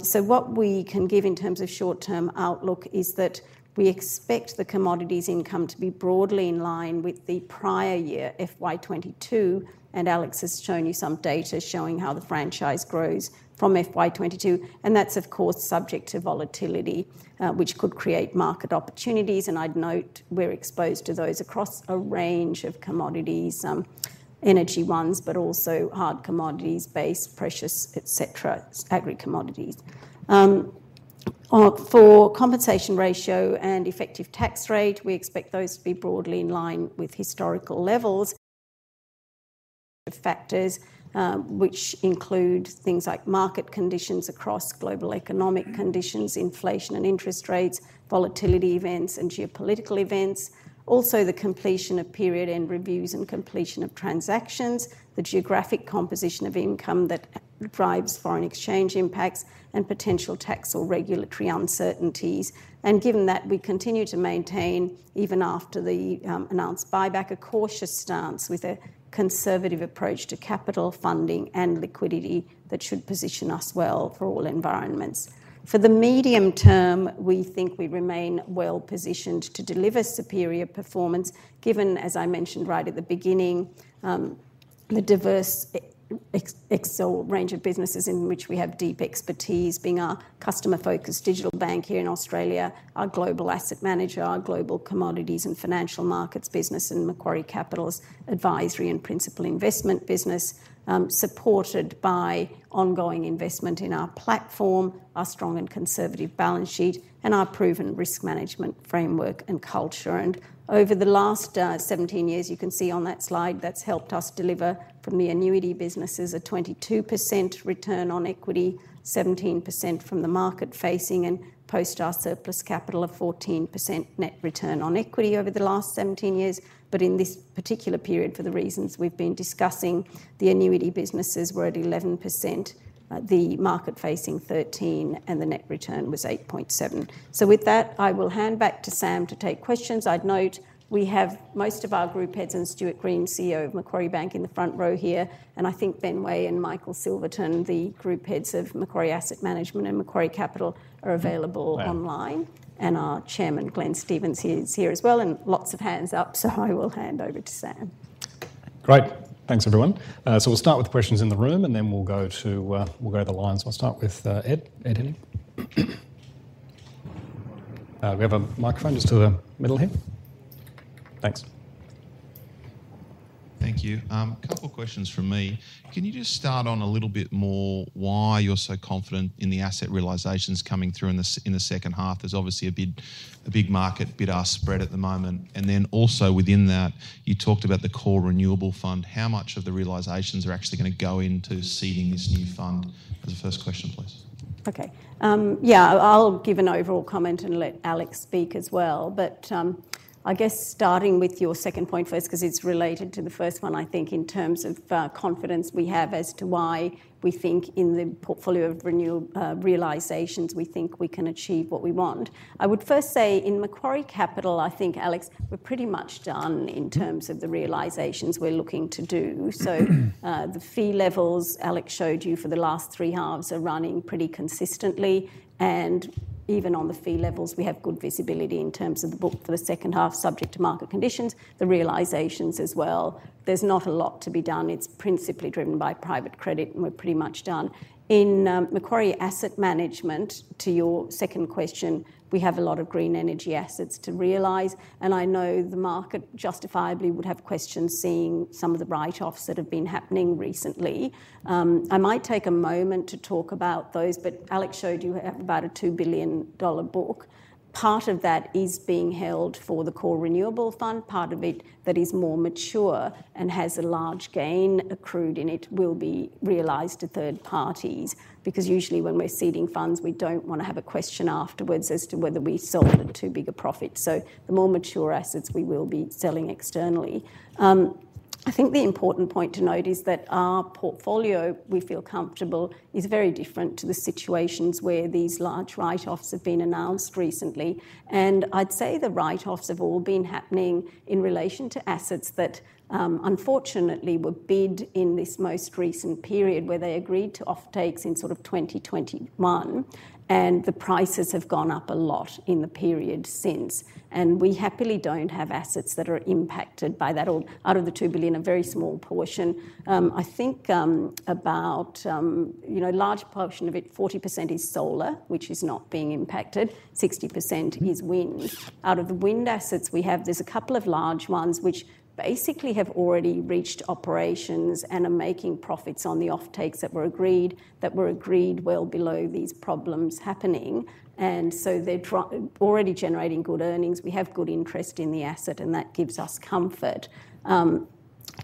So what we can give in terms of short-term outlook is that we expect the commodities income to be broadly in line with the prior year, FY 2022, and Alex has shown you some data showing how the franchise grows from FY 2022, and that's of course, subject to volatility, which could create market opportunities. I'd note, we're exposed to those across a range of commodities, some energy ones, but also hard commodities, base, precious, et cetera, agri commodities. For compensation ratio and effective tax rate, we expect those to be broadly in line with historical levels. The factors, which include things like market conditions across global economic conditions, inflation and interest rates, volatility events, and geopolitical events. Also, the completion of period-end reviews and completion of transactions, the geographic composition of income that drives foreign exchange impacts, and potential tax or regulatory uncertainties. Given that, we continue to maintain, even after the announced buyback, a cautious stance with a conservative approach to capital funding and liquidity that should position us well for all environments. For the medium term, we think we remain well-positioned to deliver superior performance, given, as I mentioned right at the beginning, the diverse range of businesses in which we have deep expertise, being our customer-focused digital bank here in Australia, our global asset manager, our global commodities and financial markets business, and Macquarie Capital's advisory and principal investment business, supported by ongoing investment in our platform, our strong and conservative balance sheet, and our proven risk management framework and culture. And over the last 17 years, you can see on that slide, that's helped us deliver from the annuity businesses a 22% return on equity, 17% from the market facing, and post our surplus capital of 14% net return on equity over the last 17 years. But in this particular period, for the reasons we've been discussing, the annuity businesses were at 11%, the market facing 13%, and the net return was 8.7%. So with that, I will hand back to Sam to take questions. I'd note we have most of our group heads and Stuart Green, CEO of Macquarie Bank, in the front row here, and I think Ben Way and Michael Silverton, the group heads of Macquarie Asset Management and Macquarie Capital, are available online. Yeah. And our Chairman, Glenn Stevens, he is here as well, and lots of hands up, so I will hand over to Sam. Great. Thanks, everyone. So we'll start with the questions in the room, and then we'll go to, we'll go to the lines. We'll start with, Ed. Ed, any? We have a microphone just to the middle here. Thanks. Thank you. A couple questions from me. Can you just start on a little bit more why you're so confident in the asset realizations coming through in the second half? There's obviously a big market bid-ask spread at the moment. And then also within that, you talked about the Core Renewable Fund. How much of the realizations are actually gonna go into seeding this new fund? That's the first question, please. Okay. Yeah, I'll give an overall comment and let Alex speak as well. But, I guess starting with your second point first, 'cause it's related to the first one, I think, in terms of, confidence we have as to why we think in the portfolio of renew, realizations, we think we can achieve what we want. I would first say, in Macquarie Capital, I think, Alex, we're pretty much done in terms of the realizations we're looking to do. So, the fee levels Alex showed you for the last three halves are running pretty consistently, and even on the fee levels, we have good visibility in terms of the book for the second half, subject to market conditions, the realizations as well. There's not a lot to be done. It's principally driven by private credit, and we're pretty much done. In Macquarie Asset Management, to your second question, we have a lot of green energy assets to realize, and I know the market justifiably would have questions seeing some of the write-offs that have been happening recently. I might take a moment to talk about those, but Alex showed you we have about a 2 billion dollar book. Part of that is being held for the Core Renewable Fund. Part of it that is more mature and has a large gain accrued in it will be realized to third parties, because usually when we're seeding funds, we don't want to have a question afterwards as to whether we sold it at too big a profit. So the more mature assets we will be selling externally. I think the important point to note is that our portfolio, we feel comfortable, is very different to the situations where these large write-offs have been announced recently. And I'd say the write-offs have all been happening in relation to assets that, unfortunately, were bid in this most recent period, where they agreed to offtakes in sort of 2021, and the prices have gone up a lot in the period since. And we happily don't have assets that are impacted by that, or out of the 2 billion, a very small portion. I think, about—you know, a large portion of it, 40% is solar, which is not being impacted, 60% is wind. Out of the wind assets we have, there's a couple of large ones which basically have already reached operations and are making profits on the offtakes that were agreed, that were agreed well below these problems happening, and so they're already generating good earnings. We have good interest in the asset, and that gives us comfort.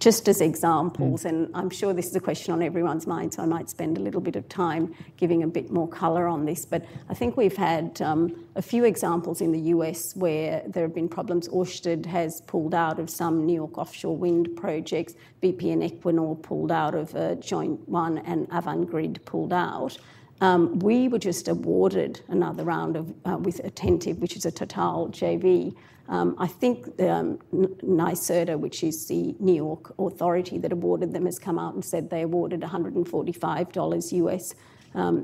Just as examples, and I'm sure this is a question on everyone's mind, so I might spend a little bit of time giving a bit more color on this. But I think we've had a few examples in the U.S. where there have been problems. Ørsted has pulled out of some New York offshore wind projects. BP and Equinor pulled out of a joint one, and Avangrid pulled out. We were just awarded another round of with Attentive, which is a Total JV. I think, NYSERDA, which is the New York authority that awarded them, has come out and said they awarded $145,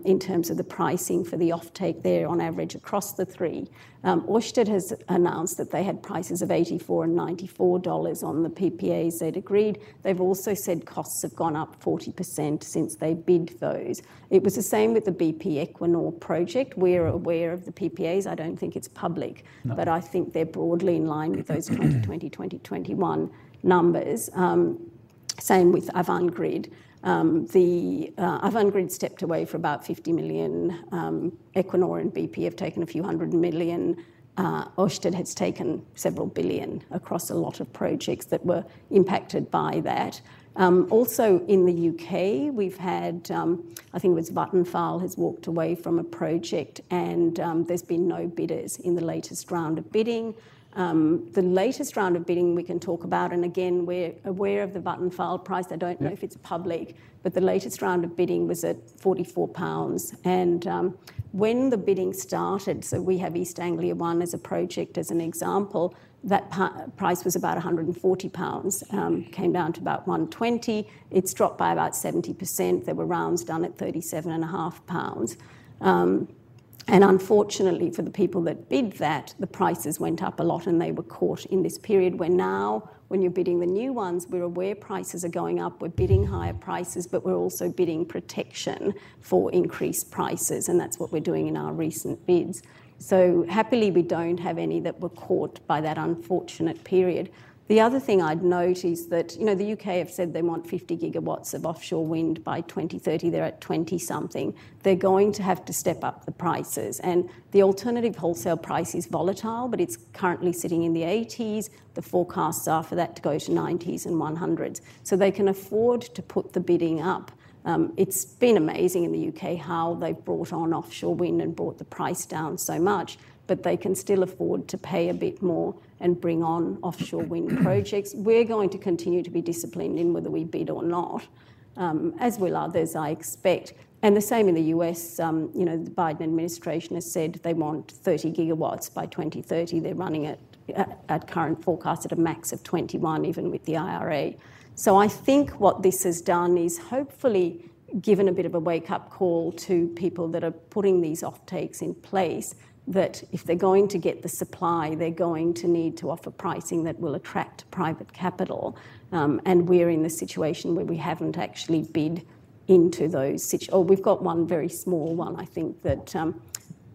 in terms of the pricing for the offtake there on average across the three. Ørsted has announced that they had prices of $84 and $94 on the PPAs they'd agreed. They've also said costs have gone up 40% since they bid those. It was the same with the BP Equinor project. We're aware of the PPAs. I don't think it's public— No. But I think they're broadly in line with those 2020, 2021 numbers. Same with Avangrid. Avangrid stepped away for about $50 million. Equinor and BP have taken a few hundred million. Ørsted has taken several billion across a lot of projects that were impacted by that. Also in the U.K., we've had, I think it was Vattenfall has walked away from a project, and there's been no bidders in the latest round of bidding. The latest round of bidding we can talk about, and again, we're aware of the Vattenfall price. Yeah. I don't know if it's public, but the latest round of bidding was at 44 pounds. And when the bidding started, so we have East Anglia ONE as a project, as an example, that price was about 140 pounds. Came down to about 120. It's dropped by about 70%. There were rounds done at 37.5 pounds. And unfortunately for the people that bid that, the prices went up a lot, and they were caught in this period where now, when you're bidding the new ones, we're aware prices are going up. We're bidding higher prices, but we're also bidding protection for increased prices, and that's what we're doing in our recent bids. So happily, we don't have any that were caught by that unfortunate period. The other thing I'd note is that, you know, the U.K. have said they want 50 GWs of offshore wind by 2030. They're at 20-something GW. They're going to have to step up the prices, and the alternative wholesale price is volatile, but it's currently sitting in the 80s. The forecasts are for that to go to 90s and 100s. So they can afford to put the bidding up. It's been amazing in the U.K. how they've brought on offshore wind and brought the price down so much, but they can still afford to pay a bit more and bring on offshore wind projects. We're going to continue to be disciplined in whether we bid or not, as will others, I expect. And the same in the U.S., you know, the Biden administration has said they want 30 GWs by 2030. They're running it at current forecast, at a max of 21 GW, even with the IRA. So I think what this has done is hopefully given a bit of a wake-up call to people that are putting these offtakes in place, that if they're going to get the supply, they're going to need to offer pricing that will attract private capital. And we're in the situation where we haven't actually bid into those. Oh, we've got one very small one, I think, that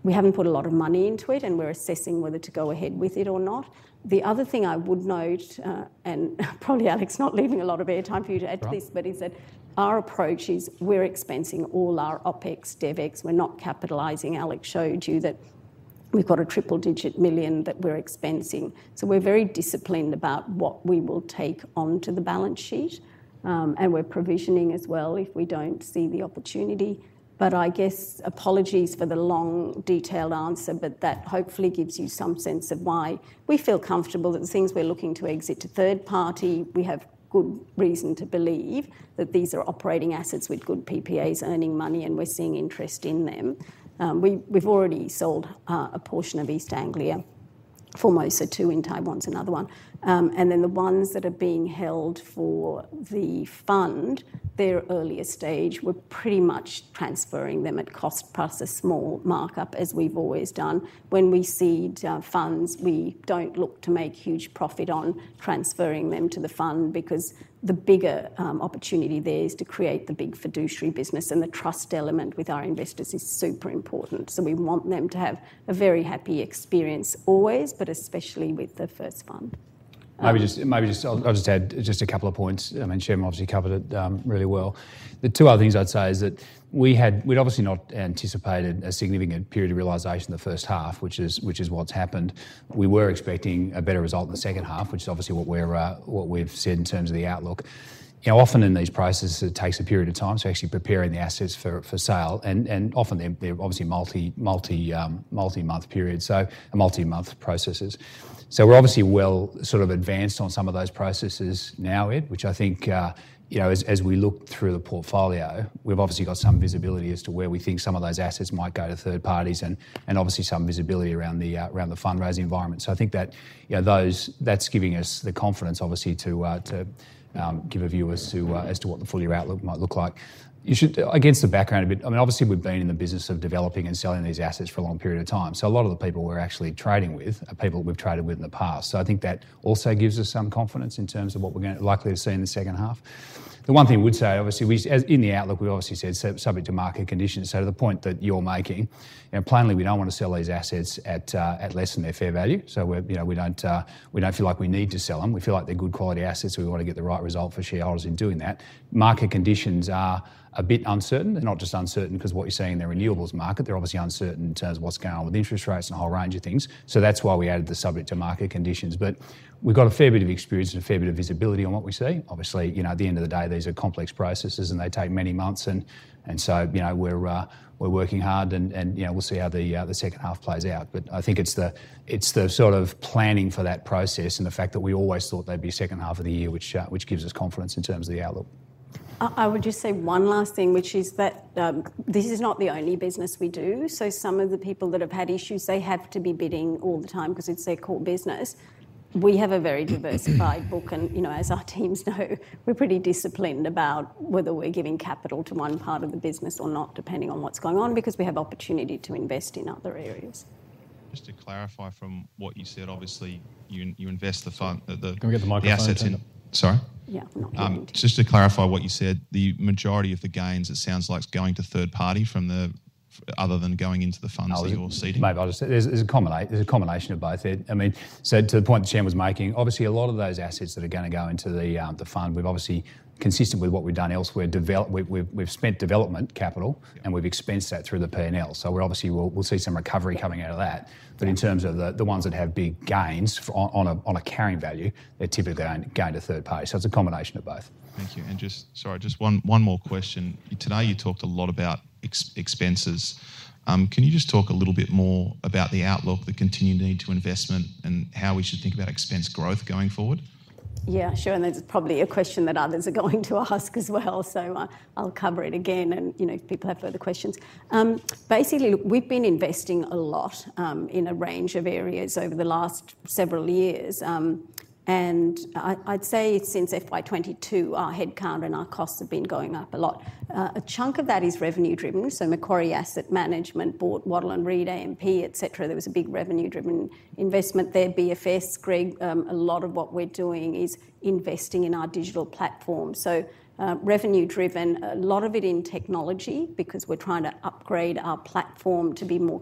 we haven't put a lot of money into it, and we're assessing whether to go ahead with it or not. The other thing I would note, and probably Alex not leaving a lot of air time for you to add to this— Right. But is that our approach is we're expensing all our OpEx, DevEx. We're not capitalising. Alex showed you that we've got a triple-digit million that we're expensing. So we're very disciplined about what we will take onto the balance sheet, and we're provisioning as well if we don't see the opportunity. But I guess apologies for the long, detailed answer, but that hopefully gives you some sense of why we feel comfortable that the things we're looking to exit to third party, we have good reason to believe that these are operating assets with good PPAs, earning money, and we're seeing interest in them. We've already sold a portion of East Anglia. Formosa 2, in Taiwan is another one. And then the ones that are being held for the fund, they're earlier stage. We're pretty much transferring them at cost, plus a small markup, as we've always done. When we cede funds, we don't look to make huge profit on transferring them to the fund, because the bigger opportunity there is to create the big fiduciary business, and the trust element with our investors is super important. So we want them to have a very happy experience always, but especially with the first fund. Maybe just, maybe just—I'll just add just a couple of points. I mean, Shem obviously covered it, really well. The two other things I'd say is that we'd obviously not anticipated a significant period of realisation in the first half, which is what's happened. We were expecting a better result in the second half, which is obviously what we're, what we've said in terms of the outlook. You know, often in these processes, it takes a period of time to actually preparing the assets for sale, and often they're obviously multi-multi-month periods, so multi-month processes. So we're obviously well sort of advanced on some of those processes now, Ed, which I think, you know, as we look through the portfolio, we've obviously got some visibility as to where we think some of those assets might go to third parties and obviously some visibility around the fundraising environment. So I think that, you know, that's giving us the confidence obviously to give a view as to what the full-year outlook might look like. You should—I guess the background a bit, I mean, obviously we've been in the business of developing and selling these assets for a long period of time, so a lot of the people we're actually trading with are people we've traded with in the past. So I think that also gives us some confidence in terms of what we're going to likely see in the second half. The one thing I would say, obviously, we, as in the outlook, we obviously said subject to market conditions. So to the point that you're making, you know, plainly, we don't want to sell these assets at, at less than their fair value. So we're, you know, we don't, we don't feel like we need to sell them. We feel like they're good quality assets, so we want to get the right result for shareholders in doing that. Market conditions are a bit uncertain. They're not just uncertain because of what you see in the renewables market, they're obviously uncertain in terms of what's going on with interest rates and a whole range of things. So that's why we added the subject to market conditions. But we've got a fair bit of experience and a fair bit of visibility on what we see. Obviously, you know, at the end of the day, these are complex processes, and they take many months and so, you know, we're working hard, and you know, we'll see how the second half plays out. But I think it's the sort of planning for that process and the fact that we always thought there'd be a second half of the year, which gives us confidence in terms of the outlook. I would just say one last thing, which is that, this is not the only business we do. So some of the people that have had issues, they have to be bidding all the time 'cause it's their core business. We have a very diversified book and, you know, as our teams know, we're pretty disciplined about whether we're giving capital to one part of the business or not, depending on what's going on, because we have opportunity to invest in other areas. Just to clarify, from what you said, obviously, you invest the fund. Can we get the microphone turned on? Sorry? Yeah, not getting to you. Just to clarify what you said, the majority of the gains, it sounds like, is going to third party other than going into the funds that you're seeding. Maybe I'll just—there's a combination of both, Ed. I mean, so to the point that Shem was making, obviously, a lot of those assets that are gonna go into the fund, we've obviously, consistent with what we've done elsewhere, we've spent development capital, and we've expensed that through the P&L. So, obviously, we'll see some recovery coming out of that. But in terms of the ones that have big gains on a carrying value, they're typically going to go to third party. So it's a combination of both. Thank you, and just—sorry, just one more question. Today, you talked a lot about expenses. Can you just talk a little bit more about the outlook, the continued need to invest, and how we should think about expense growth going forward? Yeah, sure, and that's probably a question that others are going to ask as well, so I'll cover it again and, you know, if people have further questions. Basically, we've been investing a lot in a range of areas over the last several years. And I'd say since FY 2022, our headcount and our costs have been going up a lot. A chunk of that is revenue-driven, so Macquarie Asset Management bought Waddell & Reed, AMP, et cetera. There was a big revenue-driven investment there. BFS, Greg, a lot of what we're doing is investing in our digital platform. So, revenue driven, a lot of it in technology, because we're trying to upgrade our platform to be more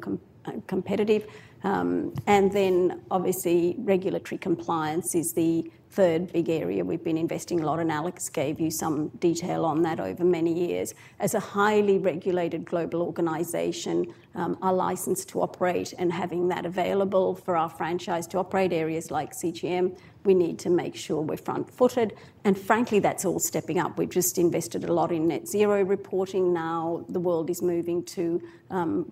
competitive. And then, obviously, regulatory compliance is the third big area we've been investing a lot in. Alex gave you some detail on that over many years. As a highly regulated global organization, our license to operate and having that available for our franchise to operate areas like CGM, we need to make sure we're front-footed, and frankly, that's all stepping up. We've just invested a lot in net zero reporting. Now, the world is moving to,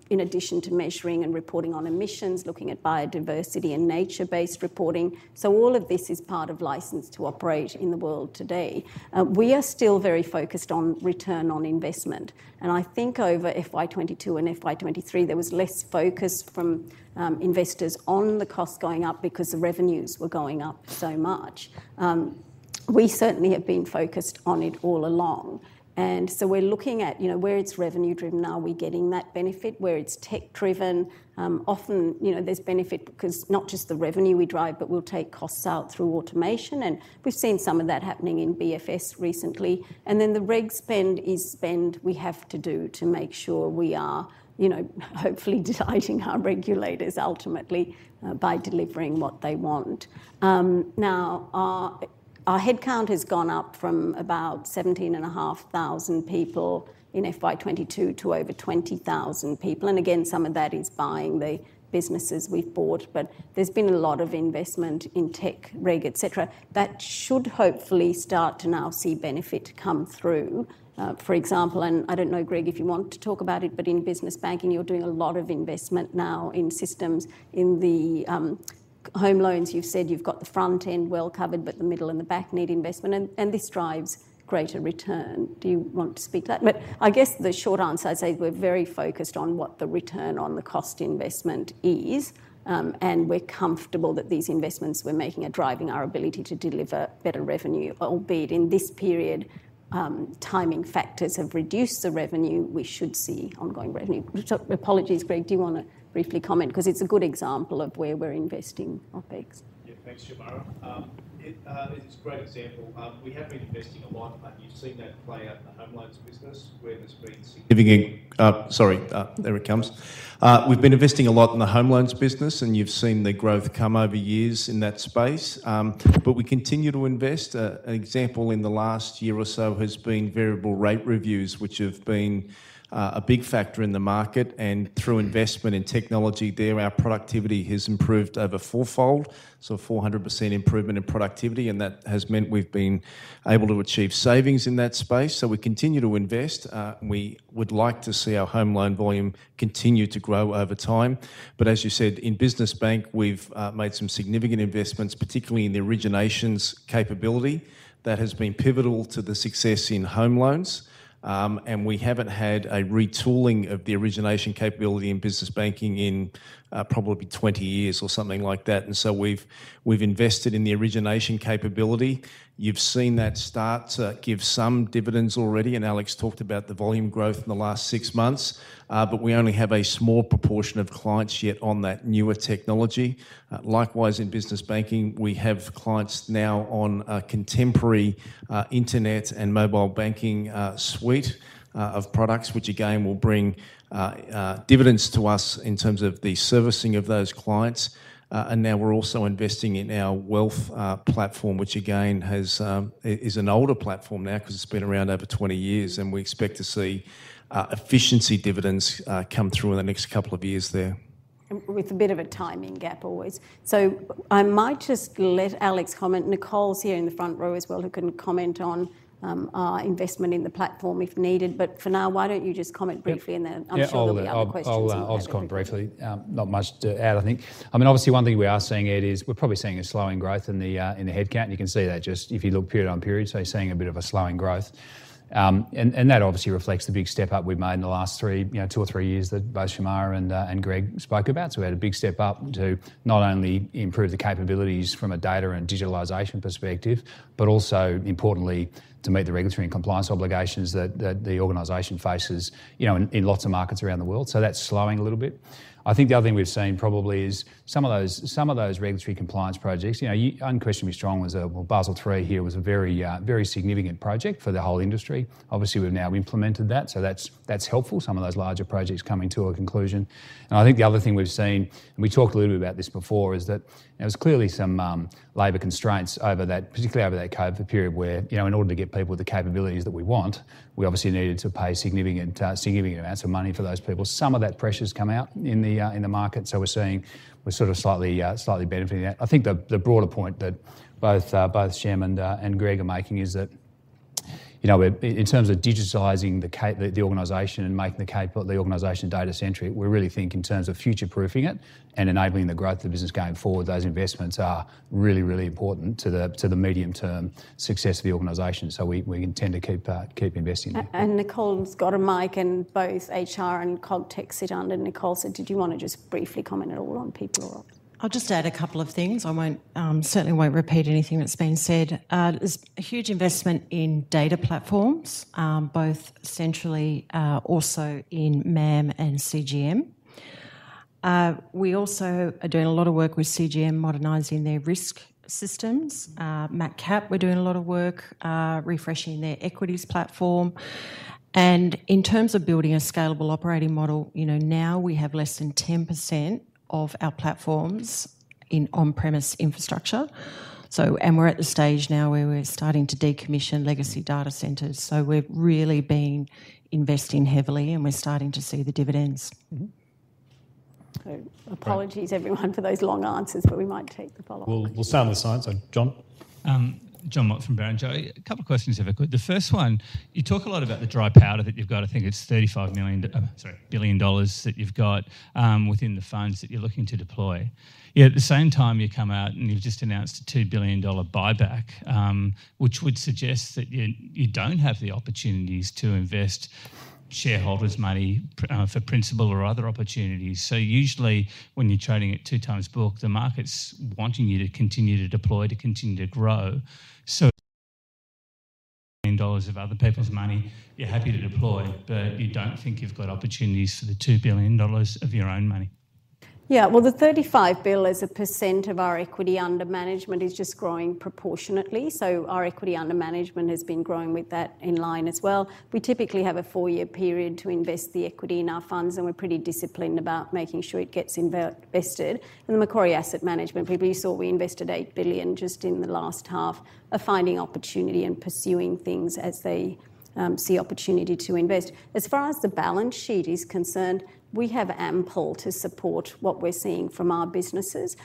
in addition to measuring and reporting on emissions, looking at biodiversity and nature-based reporting. So all of this is part of license to operate in the world today. We are still very focused on return on investment, and I think over FY 2022 and FY 2023, there was less focus from investors on the cost going up because the revenues were going up so much. We certainly have been focused on it all along. We're looking at, you know, where it's revenue-driven, are we getting that benefit? Where it's tech-driven, often, you know, there's benefit because not just the revenue we drive, but we'll take costs out through automation, and we've seen some of that happening in BFS recently. The reg spend is spend we have to do to make sure we are, you know, hopefully delighting our regulators ultimately, by delivering what they want. Now, our headcount has gone up from about 17,500 people in FY 2022 to over 20,000 people, and again, some of that is buying the businesses we've bought. There's been a lot of investment in tech, reg, et cetera, that should hopefully start to now see benefit come through. For example, and I don't know, Greg, if you want to talk about it, but in Business Banking, you're doing a lot of investment now in systems. In the home loans, you've said you've got the front end well covered, but the middle and the back need investment, and this drives greater return. Do you want to speak to that? But I guess the short answer, I'd say we're very focused on what the return on the cost investment is, and we're comfortable that these investments we're making are driving our ability to deliver better revenue, albeit in this period, timing factors have reduced the revenue. We should see ongoing revenue. Which, apologies, Greg, do you want to briefly comment? Because it's a good example of where we're investing OpEx. Yeah, thanks, Shemara. It's a great example. We have been investing a lot, and you've seen that play out in the home loans business. We've been investing a lot in the home loans business, and you've seen the growth come over years in that space. But we continue to invest. An example in the last year or so has been variable rate reviews, which have been a big factor in the market, and through investment in technology there, our productivity has improved over fourfold, so 400% improvement in productivity, and that has meant we've been able to achieve savings in that space. So we continue to invest, and we would like to see our home loan volume continue to grow over time. But as you said, in business bank, we've made some significant investments, particularly in the originations capability. That has been pivotal to the success in home loans, and we haven't had a retooling of the origination capability in business banking in, probably 20 years or something like that. And so we've invested in the origination capability. You've seen that start to give some dividends already, and Alex talked about the volume growth in the last six months. But we only have a small proportion of clients yet on that newer technology. Likewise, in business banking, we have clients now on a contemporary internet and mobile banking suite of products, which again, will bring dividends to us in terms of the servicing of those clients. And now we're also investing in our wealth platform, which again, has— It is an older platform now, 'cause it's been around over 20 years, and we expect to see efficiency dividends come through in the next couple of years there. With a bit of a timing gap always. So I might just let Alex comment. Nicole's here in the front row as well, who can comment on our investment in the platform if needed. But for now, why don't you just comment briefly, and then I'm sure there'll be other questions— Yeah, I'll just comment briefly. Not much to add, I think. I mean, obviously, one thing we are seeing, Ed, is we're probably seeing a slowing growth in the headcount. You can see that just if you look period on period, so you're seeing a bit of a slowing growth. And that obviously reflects the big step up we've made in the last three, you know, two or three years that both Shemara and Greg spoke about. So we had a big step up to not only improve the capabilities from a data and digitalization perspective, but also, importantly, to meet the regulatory and compliance obligations that the organization faces, you know, in lots of markets around the world. So that's slowing a little bit. I think the other thing we've seen probably is some of those regulatory compliance projects, you know, unquestionably strong was a, well, Basel III here was a very, very significant project for the whole industry. Obviously, we've now implemented that, so that's, that's helpful, some of those larger projects coming to a conclusion. I think the other thing we've seen, and we talked a little bit about this before, is that there's clearly some labor constraints over that, particularly over that COVID period, where, you know, in order to get people with the capabilities that we want, we obviously needed to pay significant, significant amounts of money for those people. Some of that pressure's come out in the, in the market, so we're seeing we're sort of slightly benefiting that. I think the broader point that both Shem and Greg are making is that, you know, we're in terms of digitizing the organization and making the organization data centric, we really think in terms of future-proofing it and enabling the growth of the business going forward, those investments are really, really important to the medium-term success of the organization, so we intend to keep investing. And Nicole's got a mic, and both HR and COG Tech sit under Nicole. So did you want to just briefly comment at all on people or? I'll just add a couple of things. I won't certainly won't repeat anything that's been said. There's a huge investment in data platforms, both centrally, also in MAM and CGM. We also are doing a lot of work with CGM, modernizing their risk systems. MacCap, we're doing a lot of work, refreshing their equities platform. And in terms of building a scalable operating model, you know, now we have less than 10% of our platforms in on-premise infrastructure. So, and we're at the stage now where we're starting to decommission legacy data centers, so we've really been investing heavily, and we're starting to see the dividends. So apologies, everyone, for those long answers, but we might take the follow-up. We'll start on the side. So Jon? Jon Mott from Barrenjoey. A couple of questions, if I could. The first one, you talk a lot about the dry powder that you've got. I think it's $35 billion that you've got, within the funds that you're looking to deploy. Yet at the same time, you come out and you've just announced a $2 billion buyback, which would suggest that you don't have the opportunities to invest shareholders' money for principal or other opportunities. Usually, when you're trading at 2x book, the market's wanting you to continue to deploy, to continue to grow. [inaudible] of other people's money, you're happy to deploy, but you don't think you've got opportunities for the 2 billion dollars of your own money? Yeah, well, the $35 billion, as a percent of our equity under management, is just growing proportionately. So our equity under management has been growing with that in line as well. We typically have a four-year period to invest the equity in our funds, and we're pretty disciplined about making sure it gets invested. In Macquarie Asset Management, we saw we invested $8 billion just in the last half of finding opportunity and pursuing things as they see opportunity to invest. As far as the balance sheet is concerned, we have ample to support what we're seeing from our businesses.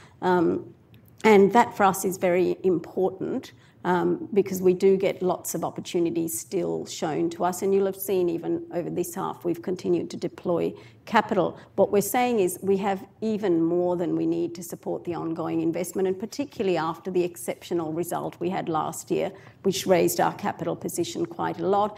And that, for us, is very important, because we do get lots of opportunities still shown to us, and you'll have seen even over this half, we've continued to deploy capital. What we're saying is, we have even more than we need to support the ongoing investment, and particularly after the exceptional result we had last year, which raised our capital position quite a lot.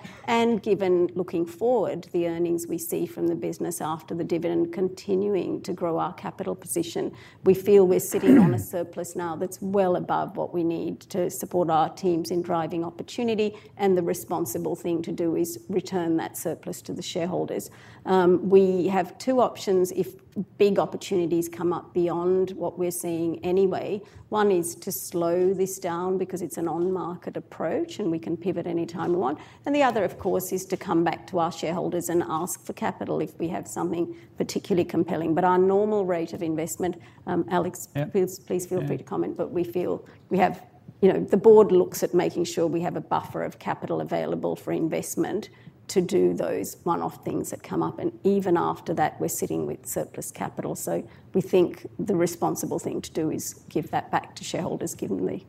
Given, looking forward, the earnings we see from the business after the dividend continuing to grow our capital position, we feel we're sitting on a surplus now that's well above what we need to support our teams in driving opportunity, and the responsible thing to do is return that surplus to the shareholders. We have two options if big opportunities come up beyond what we're seeing anyway. One is to slow this down because it's an on-market approach, and we can pivot any time we want. The other, of course, is to come back to our shareholders and ask for capital if we have something particularly compelling. But our normal rate of investment, Alex— Yeah? Please, please feel free to comment. Yeah. But we feel we have, you know, the board looks at making sure we have a buffer of capital available for investment to do those one-off things that come up, and even after that, we're sitting with surplus capital. So we think the responsible thing to do is give that back to shareholders, given the—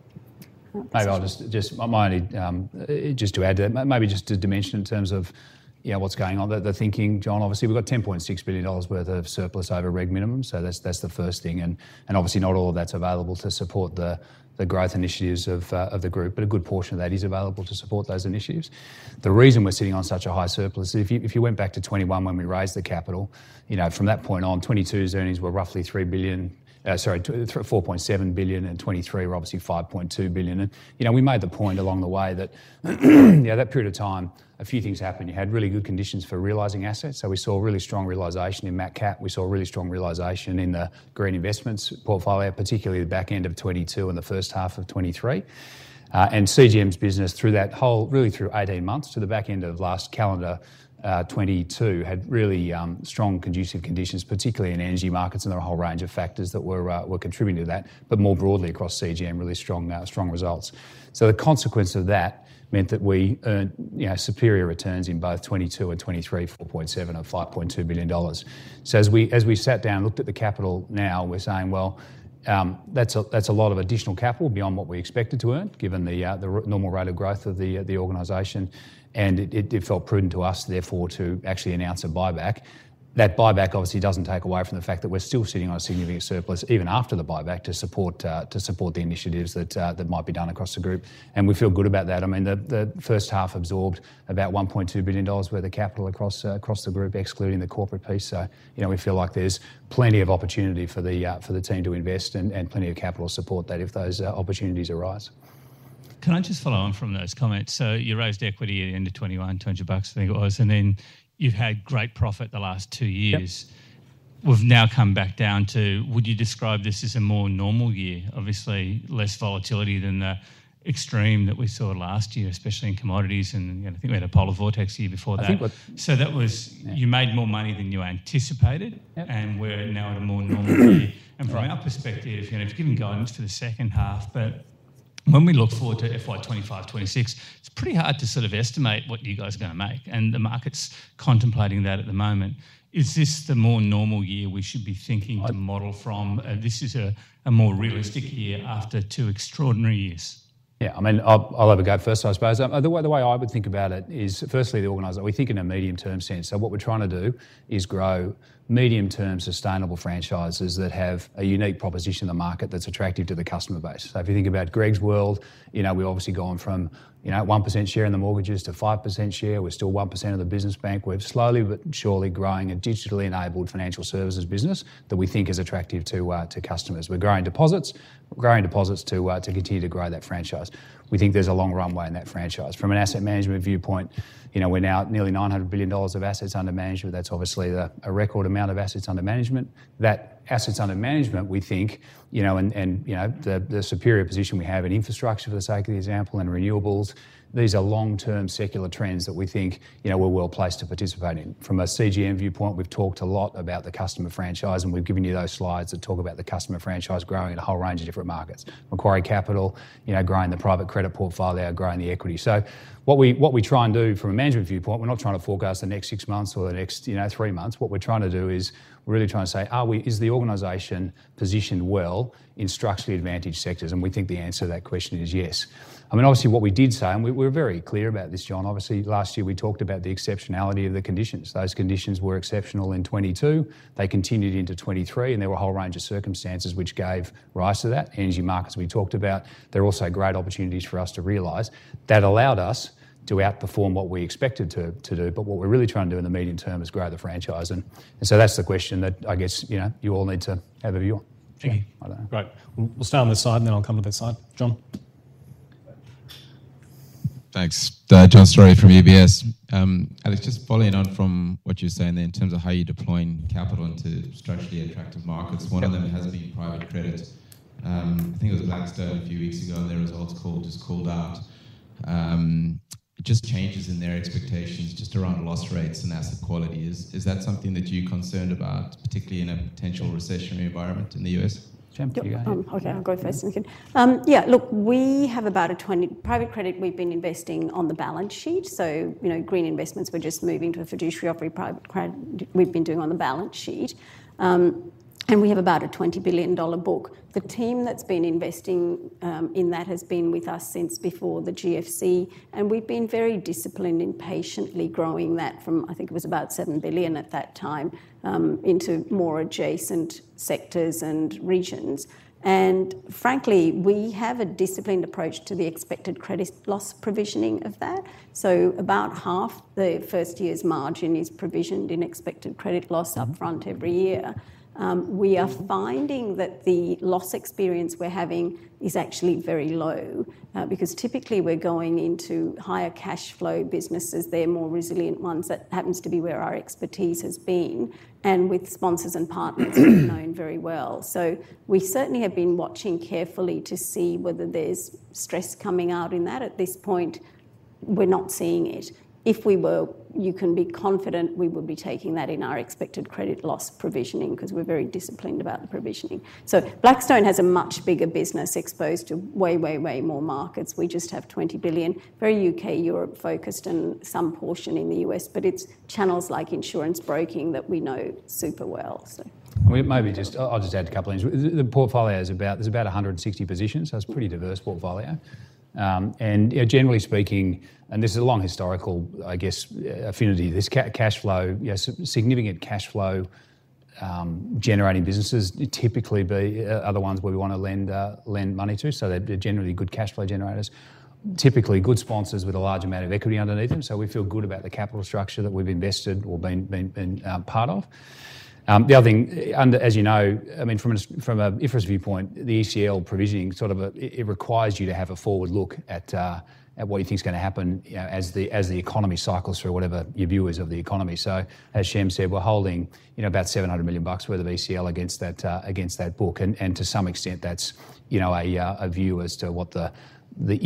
Maybe I'll just add to that, maybe just to dimension in terms of, you know, what's going on, the thinking, John, obviously, we've got 10.6 billion dollars worth of surplus over reg minimum, so that's the first thing, and obviously not all of that's available to support the growth initiatives of the group, but a good portion of that is available to support those initiatives. The reason we're sitting on such a high surplus, if you went back to 2021, when we raised the capital, you know, from that point on, 2022's earnings were roughly 4.7 billion, and 2023 were obviously 5.2 billion. You know, we made the point along the way that, you know, that period of time, a few things happened. You had really good conditions for realizing assets, so we saw a really strong realization in MAM. We saw a really strong realization in the green investments portfolio, particularly the back end of 2022 and the first half of 2023. And CGM's business through that whole, really through 18 months to the back end of last calendar 2022, had really strong conducive conditions, particularly in energy markets, and there were a whole range of factors that were contributing to that, but more broadly across CGM, really strong results. So the consequence of that meant that we earned, you know, superior returns in both 2022 and 2023, 4.7 billion and 5.2 billion dollars. So as we sat down and looked at the capital, now we're saying: Well, that's a lot of additional capital beyond what we expected to earn, given the normal rate of growth of the organization. It felt prudent to us, therefore, to actually announce a buyback. That buyback obviously doesn't take away from the fact that we're still sitting on a significant surplus, even after the buyback, to support the initiatives that might be done across the group. We feel good about that. I mean, the first half absorbed about 1.2 billion dollars worth of capital across the group, excluding the corporate piece. You know, we feel like there's plenty of opportunity for the team to invest and plenty of capital support that if those opportunities arise. Can I just follow on from those comments? So you raised equity at the end of 2021, 200 bucks, I think it was, and then you've had great profit the last two years. Yep. We've now come back down to—would you describe this as a more normal year? Obviously, less volatility than the extreme that we saw last year, especially in commodities, and, you know, I think we had a polar vortex year before that. I think that— So that was— Yeah. You made more money than you anticipated. Yep. We're now at a more normal year. Right. And from our perspective, you know, giving guidance to the second half, but when we look forward to FY 2025, 2026, it's pretty hard to sort of estimate what you guys are gonna make, and the market's contemplating that at the moment. Is this the more normal year we should be thinking— I— To model from? This is a more realistic year after two extraordinary years. Yeah, I mean, I'll have a go first, I suppose. The way I would think about it is, firstly, the organizer. We think in a medium-term sense, so what we're trying to do is grow medium-term sustainable franchises that have a unique proposition in the market that's attractive to the customer base. So if you think about Greg's world, you know, we've obviously gone from, you know, 1% share in the mortgages to 5% share. We're still 1% of the business bank. We're slowly but surely growing a digitally enabled financial services business that we think is attractive to customers. We're growing deposits. We're growing deposits to continue to grow that franchise. We think there's a long runway in that franchise. From an asset management viewpoint, you know, we're now at nearly $900 billion of assets under management. That's obviously a record amount of assets under management. That assets under management, we think, you know, and you know, the superior position we have in infrastructure, for the sake of the example, and renewables, these are long-term secular trends that we think, you know, we're well placed to participate in. From a CGM viewpoint, we've talked a lot about the customer franchise, and we've given you those slides that talk about the customer franchise growing in a whole range of different markets. Macquarie Capital, you know, growing the private credit portfolio, growing the equity. So what we try and do from a management viewpoint, we're not trying to forecast the next six months or the next, you know, three months. What we're trying to do is, we're really trying to say: Are we, is the organization positioned well in structurally advantaged sectors? And we think the answer to that question is yes. I mean, obviously, what we did say, and we, we're very clear about this, John, obviously, last year, we talked about the exceptionality of the conditions. Those conditions were exceptional in 2022. They continued into 2023, and there were a whole range of circumstances which gave rise to that. Energy markets, we talked about. They're also great opportunities for us to realize. That allowed us to outperform what we expected to, to do, but what we're really trying to do in the medium term is grow the franchise. And, and so that's the question that I guess, you know, you all need to have a view on. Great. I don't know. We'll stay on this side, and then I'll come to this side. John? Thanks. John Storey from UBS. Alex, just following on from what you were saying there in terms of how you're deploying capital into structurally attractive markets, one of them has been private credit. I think it was Blackstone a few weeks ago on their results call, just called out, just changes in their expectations just around loss rates and asset quality. Is, is that something that you're concerned about, particularly in a potential recessionary environment in the U.S.? Shem, you go ahead. Okay, I'll go first and we can. Yeah, look, we have about a 20—private credit, we've been investing on the balance sheet, so, you know, green investments, we're just moving to a fiduciary offering private credit we've been doing on the balance sheet. And we have about a $20 billion book. The team that's been investing in that has been with us since before the GFC, and we've been very disciplined in patiently growing that from, I think it was about $7 billion at that time, into more adjacent sectors and regions. And frankly, we have a disciplined approach to the expected credit loss provisioning of that. So about half the first year's margin is provisioned in expected credit loss upfront every year. We are finding that the loss experience we're having is actually very low, because typically we're going into higher cash flow businesses. They're more resilient ones. That happens to be where our expertise has been, and with sponsors and partners we've known very well. So we certainly have been watching carefully to see whether there's stress coming out in that. At this point, we're not seeing it. If we were, you can be confident we would be taking that in our expected credit loss provisioning, 'cause we're very disciplined about the provisioning. So Blackstone has a much bigger business exposed to way, way, way more markets. We just have 20 billion, very U.K., Europe-focused and some portion in the U.S., but it's channels like insurance broking that we know super well, so. I mean, maybe just I'll, I'll just add a couple things. The portfolio is about, there's about 160 positions, so it's a pretty diverse portfolio. And, yeah, generally speaking, and this is a long historical, I guess, affinity, there's cashflow, yes, significant cashflow generating businesses typically are the ones where we want to lend money to, so they're generally good cashflow generators, typically good sponsors with a large amount of equity underneath them. So we feel good about the capital structure that we've invested or been part of. The other thing, and as you know, I mean, from a IFRS viewpoint, the ECL provisioning, sort of, it requires you to have a forward look at what you think is gonna happen, as the economy cycles through whatever your view is of the economy. So, as Shem said, we're holding, you know, about 700 million bucks worth of ECL against that book, and to some extent, that's, you know, a view as to what the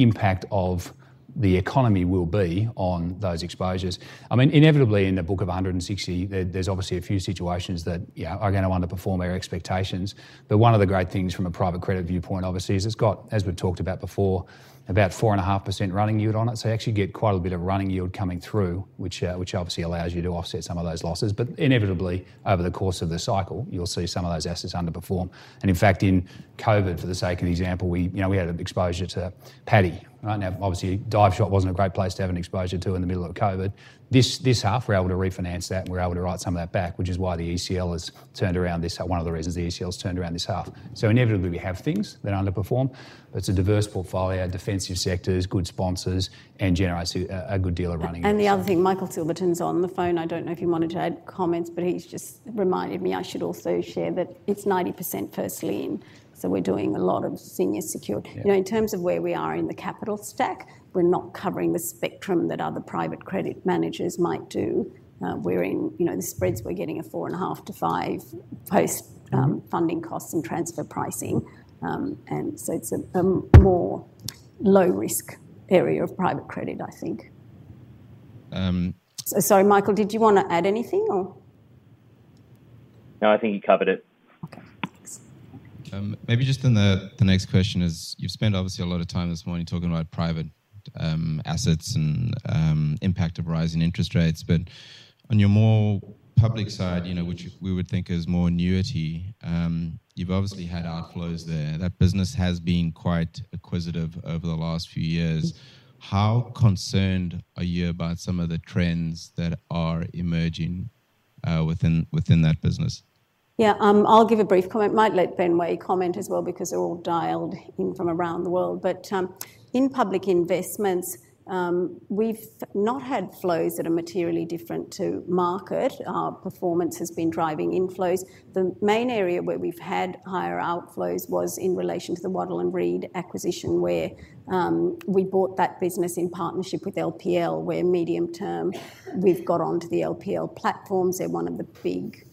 impact of the economy will be on those exposures. I mean, inevitably in a book of 160, there's obviously a few situations that, yeah, are gonna underperform our expectations. But one of the great things from a private credit viewpoint, obviously, is it's got, as we've talked about before, about 4.5% running yield on it. So you actually get quite a bit of running yield coming through, which, which obviously allows you to offset some of those losses. But inevitably, over the course of the cycle, you'll see some of those assets underperform. And in fact, in COVID, for the sake of example, we, you know, we had an exposure to PADI, right? Now, obviously, dive shop wasn't a great place to have an exposure to in the middle of COVID. This, this half, we're able to refinance that, and we're able to write some of that back, which is why the ECL has turned around this—one of the reasons the ECL has turned around this half. So inevitably, we have things that underperform. It's a diverse portfolio, defensive sectors, good sponsors, and generates a good deal of running. The other thing, Michael Silverton's on the phone. I don't know if he wanted to add comments, but he's just reminded me I should also share that it's 90% first lien, so we're doing a lot of senior secured. Yeah. You know, in terms of where we are in the capital stack, we're not covering the spectrum that other private credit managers might do. We're in, you know, the spreads, we're getting a 4.5-5 post-funding costs and transfer pricing. And so it's a more low-risk area of private credit, I think. Uhm- So sorry, Michael, did you wanna add anything or? No, I think you covered it. Okay, thanks. Maybe just then the next question is, you've spent obviously a lot of time this morning talking about private assets and impact of rising interest rates, but on your more public side, you know, which we would think is more annuity, you've obviously had outflows there. That business has been quite acquisitive over the last few years. How concerned are you about some of the trends that are emerging within that business? Yeah, I'll give a brief comment. Might let Ben Way comment as well, because they're all dialed in from around the world. But, in public investments, we've not had flows that are materially different to market. Our performance has been driving inflows. The main area where we've had higher outflows was in relation to the Waddell & Reed acquisition, where, we bought that business in partnership with LPL, where medium term, we've got onto the LPL platforms. They're one of the big,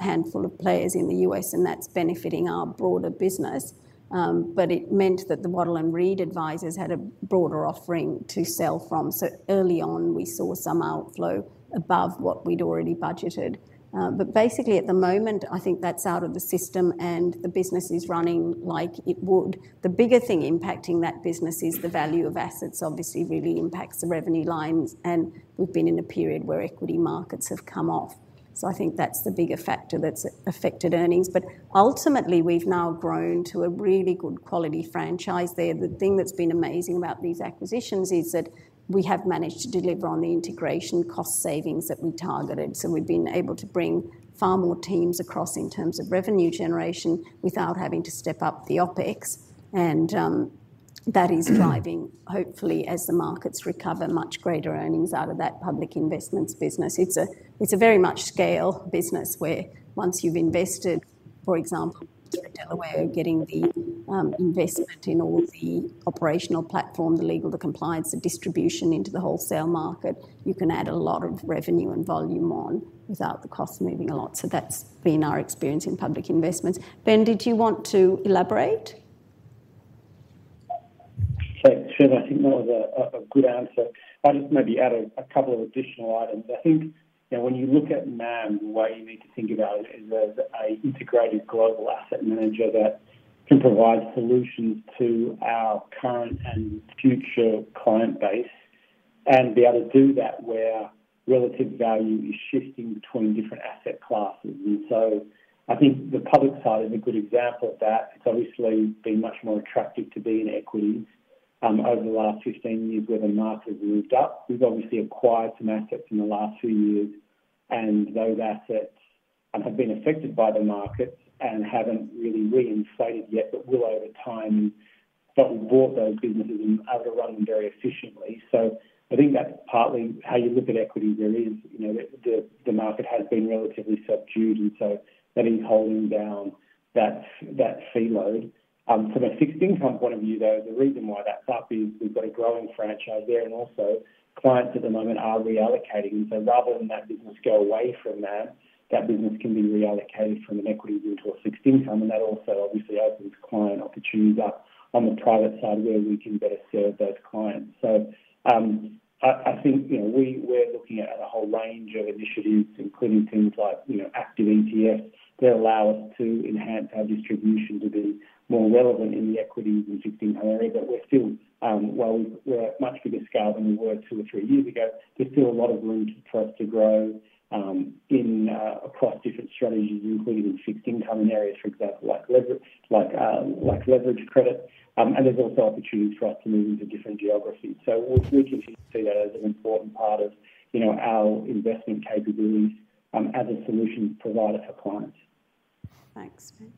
handful of players in the U.S., and that's benefiting our broader business. But it meant that the Waddell & Reed advisors had a broader offering to sell from. So early on, we saw some outflow above what we'd already budgeted. But basically, at the moment, I think that's out of the system, and the business is running like it would. The bigger thing impacting that business is the value of assets, obviously, really impacts the revenue lines, and we've been in a period where equity markets have come off. So I think that's the bigger factor that's affected earnings. But ultimately, we've now grown to a really good quality franchise there. The thing that's been amazing about these acquisitions is that we have managed to deliver on the integration cost savings that we targeted. So we've been able to bring far more teams across in terms of revenue generation without having to step up the OpEx, and that is driving, hopefully, as the markets recover, much greater earnings out of that public investments business. It's a very much scale business, where once you've invested—for example, Delaware getting the investment in all the operational platform, the legal, the compliance, the distribution into the wholesale market, you can add a lot of revenue and volume on without the cost moving a lot. So that's been our experience in public investments. Ben, did you want to elaborate? Thanks, Shem. I think that was a good answer. I'll just maybe add a couple of additional items. I think, you know, when you look at MAM, the way you need to think about it is as a integrated global asset manager that can provide solutions to our current and future client base, and be able to do that where relative value is shifting between different asset classes. And so I think the public side is a good example of that. It's obviously been much more attractive to be in equities over the last 15 years, where the market has moved up. We've obviously acquired some assets in the last few years, and those assets have been affected by the market and haven't really reinflated yet, but will over time. But we bought those businesses and are running very efficiently. So I think that's partly how you look at equity. There is, you know, the market has been relatively subdued, and so that is holding down that fee load. From a fixed income point of view, though, the reason why that's up is we've got a growing franchise there, and also clients at the moment are reallocating. So rather than that business go away from them, that business can be reallocated from an equity into a fixed income, and that also obviously opens client opportunities up on the private side, where we can better serve those clients. So, I think, you know, we're looking at a whole range of initiatives, including things like, you know, active ETFs, that allow us to enhance our distribution to be more relevant in the equities and fixed income area. But we're still—while we're at much bigger scale than we were two or three years ago, there's still a lot of room for us to grow in across different strategies, including in fixed income and areas, for example, like leverage, like, like leverage credit. And there's also opportunities for us to move into different geographies. So we continue to see that as an important part of, you know, our investment capabilities, as a solution provider for clients. Thanks, Ben.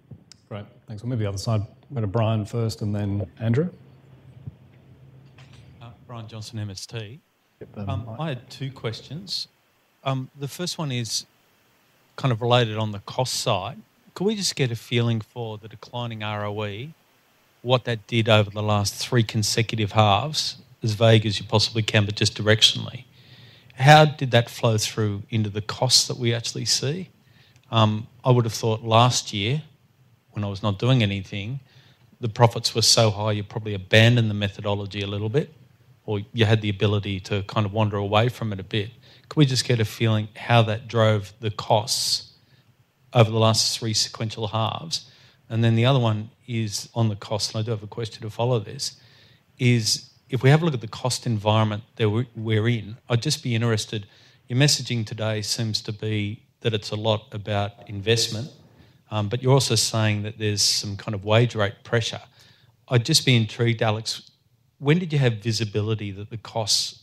Great, thanks. We'll move the other side. Go to Brian first, and then Andrew. Brian Johnson, MST. Yep, Brian. I had two questions. The first one is kind of related on the cost side. Could we just get a feeling for the declining ROE, what that did over the last three consecutive halves? As vague as you possibly can, but just directionally. How did that flow through into the costs that we actually see? I would have thought last year, when I was not doing anything, the profits were so high, you probably abandoned the methodology a little bit, or you had the ability to kind of wander away from it a bit. Could we just get a feeling how that drove the costs over the last three sequential halves? And then the other one is on the cost, and I do have a question to follow this, is if we have a look at the cost environment that we're in, I'd just be interested. Your messaging today seems to be that it's a lot about investment, but you're also saying that there's some kind of wage rate pressure. I'd just be intrigued, Alex, when did you have visibility that the costs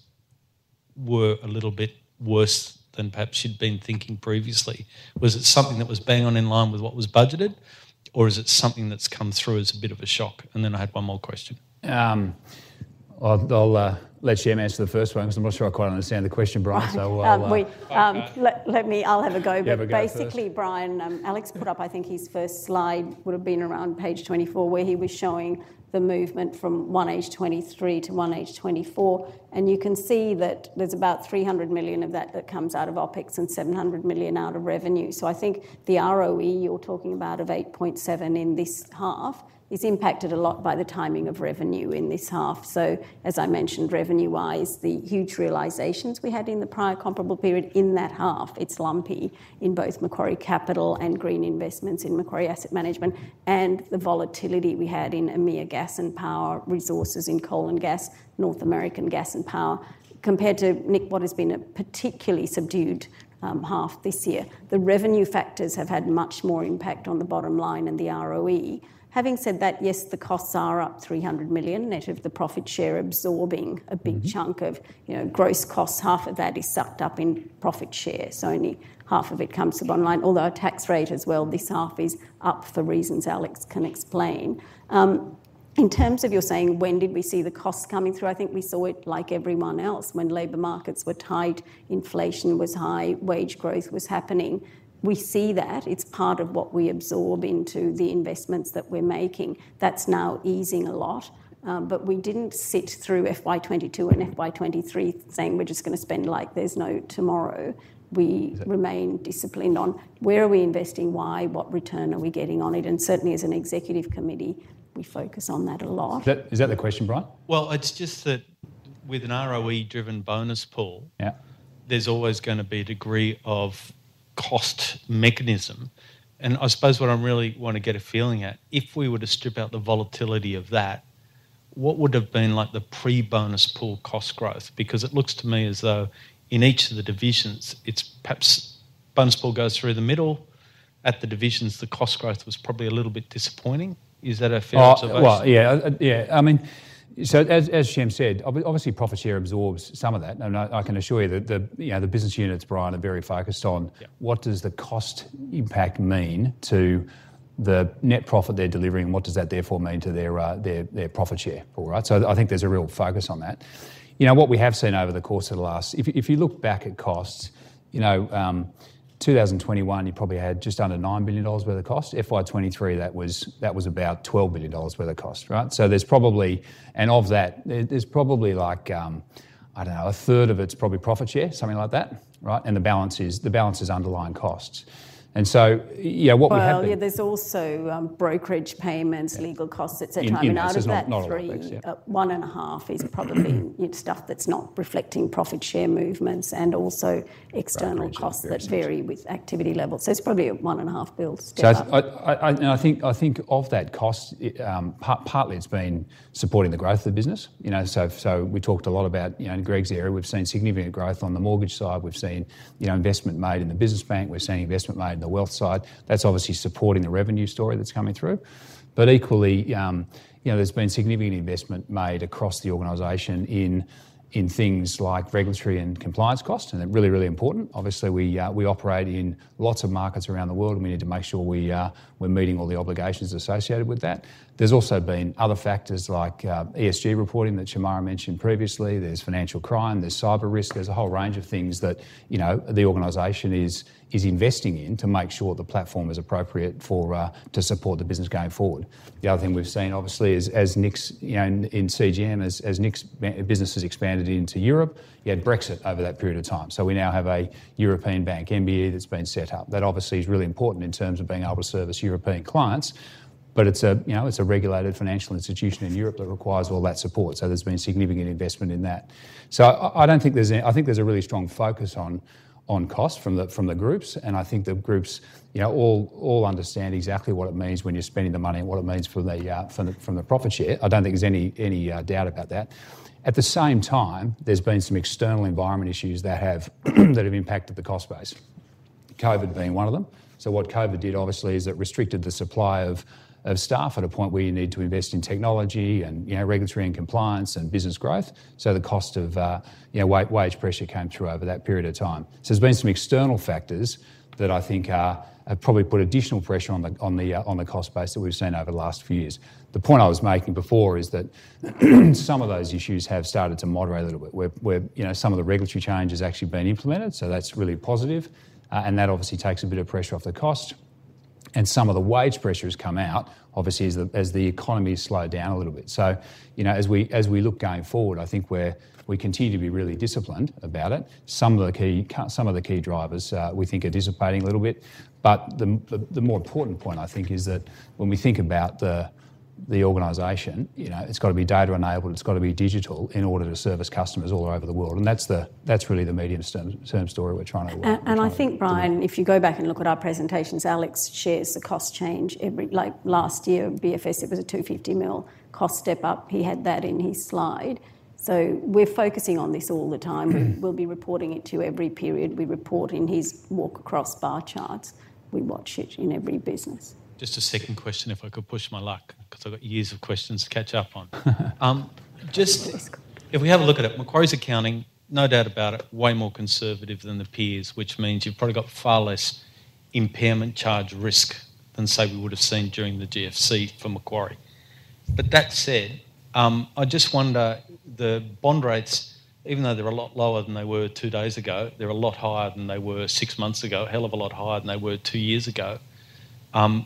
were a little bit worse than perhaps you'd been thinking previously? Was it something that was bang on, in line with what was budgeted, or is it something that's come through as a bit of a shock? And then I had one more question. I'll let Shem answer the first one, because I'm not sure I quite understand the question, Brian, so I'll- Right. Let me—I'll have a go. You have a go first. But basically, Brian, Alex put up, I think his first slide would have been around page 24, where he was showing the movement from 1H 2023 to 1H 2024. And you can see that there's about 300 million of that that comes out of OpEx and 700 million out of revenue. So I think the ROE you're talking about of 8.7% in this half is impacted a lot by the timing of revenue in this half. So as I mentioned, revenue-wise, the huge realizations we had in the prior comparable period in that half, it's lumpy in both Macquarie Capital and Green Investments in macquarie asset management, emea gas and power, resources in coal and gas, North American Gas and Power. Compared to Nick, what has been a particularly subdued half this year, the revenue factors have had much more impact on the bottom line and the ROE. Having said that, yes, the costs are up 300 million, net of the profit share, absorbing a big chunk of, you know, gross costs. Half of that is sucked up in profit share, so only half of it comes to the bottom line. Although our tax rate as well, this half is up for reasons Alex can explain. In terms of you're saying, when did we see the costs coming through? I think we saw it like everyone else, when labor markets were tight, inflation was high, wage growth was happening. We see that. It's part of what we absorb into the investments that we're making. That's now easing a lot, but we didn't sit through FY 2022 and FY 2023 saying, "We're just going to spend like there's no tomorrow." We remained disciplined on where are we investing, why, what return are we getting on it, and certainly as an executive committee, we focus on that a lot. Is that, is that the question, Brian? Well, it's just that with an ROE-driven bonus pool— Yeah? There's always going to be a degree of cost mechanism. I suppose what I really want to get a feeling at, if we were to strip out the volatility of that, what would have been like the pre-bonus pool cost growth? Because it looks to me as though in each of the divisions, it's perhaps bonus pool goes through the middle. At the divisions, the cost growth was probably a little bit disappointing. Is that a fair assumption? Oh, well, yeah, yeah. I mean, so as Shem said, obviously, profit share absorbs some of that. And I can assure you that, you know, the business units, Brian, are very focused on- Yeah. What does the cost impact mean to the net profit they're delivering, and what does that therefore mean to their, their profit share? All right, so I think there's a real focus on that. You know, what we have seen over the course of the last—if you look back at costs, you know, 2021, you probably had just under 9 billion dollars worth of cost. FY 2023, that was, that was about 12 billion dollars worth of cost, right? So there's probably and of that, there's probably like, I don't know, a third of it's probably profit share, something like that, right? And the balance is, the balance is underlying costs. And so, yeah, what we have— Well, yeah, there's also brokerage payments, legal costs, et cetera. There's not a lot of that, yeah. Out of that 3, 1.5 is probably stuff that's not reflecting profit share movements and also external costs— External costs That vary with activity levels. So it's probably a 1.5 billion step-up. So I think of that cost, it partly it's been supporting the growth of the business. You know, so we talked a lot about, you know, in Greg's area, we've seen significant growth on the mortgage side. We've seen, you know, investment made in the business bank. We're seeing investment made in the wealth side. That's obviously supporting the revenue story that's coming through. But equally, you know, there's been significant investment made across the organization in things like regulatory and compliance cost, and they're really, really important. Obviously, we operate in lots of markets around the world, and we need to make sure we're meeting all the obligations associated with that. There's also been other factors like ESG reporting that Shemara mentioned previously. There's financial crime, there's cyber risk. There's a whole range of things that, you know, the organization is investing in to make sure the platform is appropriate for to support the business going forward. The other thing we've seen, obviously, is as Nick's, you know, in, in CGM, as Nick's business has expanded into Europe, you had Brexit over that period of time. So we now have a European bank, MBE, that's been set up. That obviously is really important in terms of being able to service European clients, but it's a, you know, it's a regulated financial institution in Europe that requires all that support. So there's been significant investment in that. So I don't think there's a— I think there's a really strong focus on cost from the groups, and I think the groups, you know, all understand exactly what it means when you're spending the money and what it means for the profit share. I don't think there's any doubt about that. At the same time, there's been some external environment issues that have impacted the cost base. COVID being one of them. So what COVID did, obviously, is it restricted the supply of staff at a point where you need to invest in technology and, you know, regulatory and compliance and business growth. So the cost of, you know, wage pressure came through over that period of time. So there's been some external factors that I think have probably put additional pressure on the cost base that we've seen over the last few years. The point I was making before is that some of those issues have started to moderate a little bit, where you know some of the regulatory change has actually been implemented, so that's really positive. And that obviously takes a bit of pressure off the cost, and some of the wage pressure has come out, obviously, as the economy has slowed down a little bit. So you know as we look going forward, I think we continue to be really disciplined about it. Some of the key drivers we think are dissipating a little bit. But the more important point, I think, is that when we think about the organization, you know, it's got to be data enabled, it's got to be digital in order to service customers all over the world, and that's really the medium-term story we're trying to work— And I think, Brian, if you go back and look at our presentations, Alex shares the cost change every—like last year, BFS, it was a 250 million cost step-up. He had that in his slide. So we're focusing on this all the time. We'll be reporting it to you every period we report. In his walk across bar charts, we watch it in every business. Just a second question, if I could push my luck, because I've got years of questions to catch up on. Please. Just, if we have a look at it, Macquarie's accounting, no doubt about it, way more conservative than the peers, which means you've probably got far less impairment charge risk than, say, we would have seen during the GFC for Macquarie. But that said, I just wonder, the bond rates, even though they're a lot lower than they were two days ago, they're a lot higher than they were six months ago, a hell of a lot higher than they were two years ago.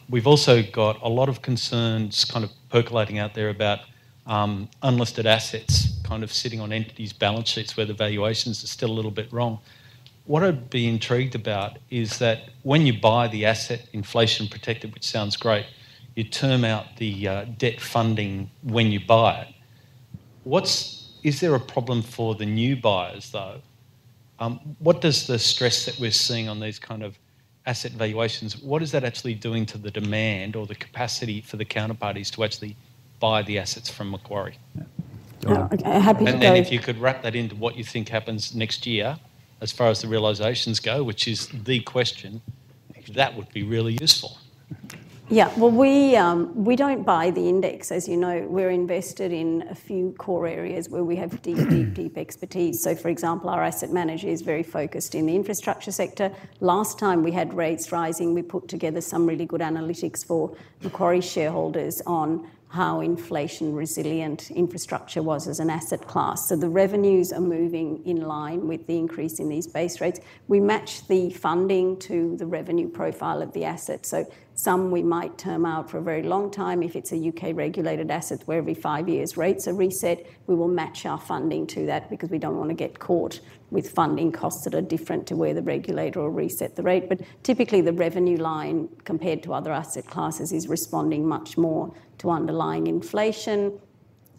We've also got a lot of concerns kind of percolating out there about unlisted assets kind of sitting on entities' balance sheets where the valuations are still a little bit wrong. What I'd be intrigued about is that when you buy the asset, inflation protected, which sounds great, you term out the debt funding when you buy it. Is there a problem for the new buyers, though? What does the stress that we're seeing on these kind of asset valuations, what is that actually doing to the demand or the capacity for the counterparties to actually buy the assets from Macquarie? Yeah. I'm happy to go— And then if you could wrap that into what you think happens next year, as far as the realizations go, which is the question, that would be really useful. Yeah. Well, we, we don't buy the index. As you know, we're invested in a few core areas where we have deep, deep, deep expertise. So, for example, our asset manager is very focused in the infrastructure sector. Last time we had rates rising, we put together some really good analytics for Macquarie shareholders on how inflation-resilient infrastructure was as an asset class. So the revenues are moving in line with the increase in these base rates. We match the funding to the revenue profile of the asset. So some we might term out for a very long time. If it's a U.K.-regulated asset, where every five years, rates are reset, we will match our funding to that because we don't want to get caught with funding costs that are different to where the regulator will reset the rate. But typically, the revenue line, compared to other asset classes, is responding much more to underlying inflation,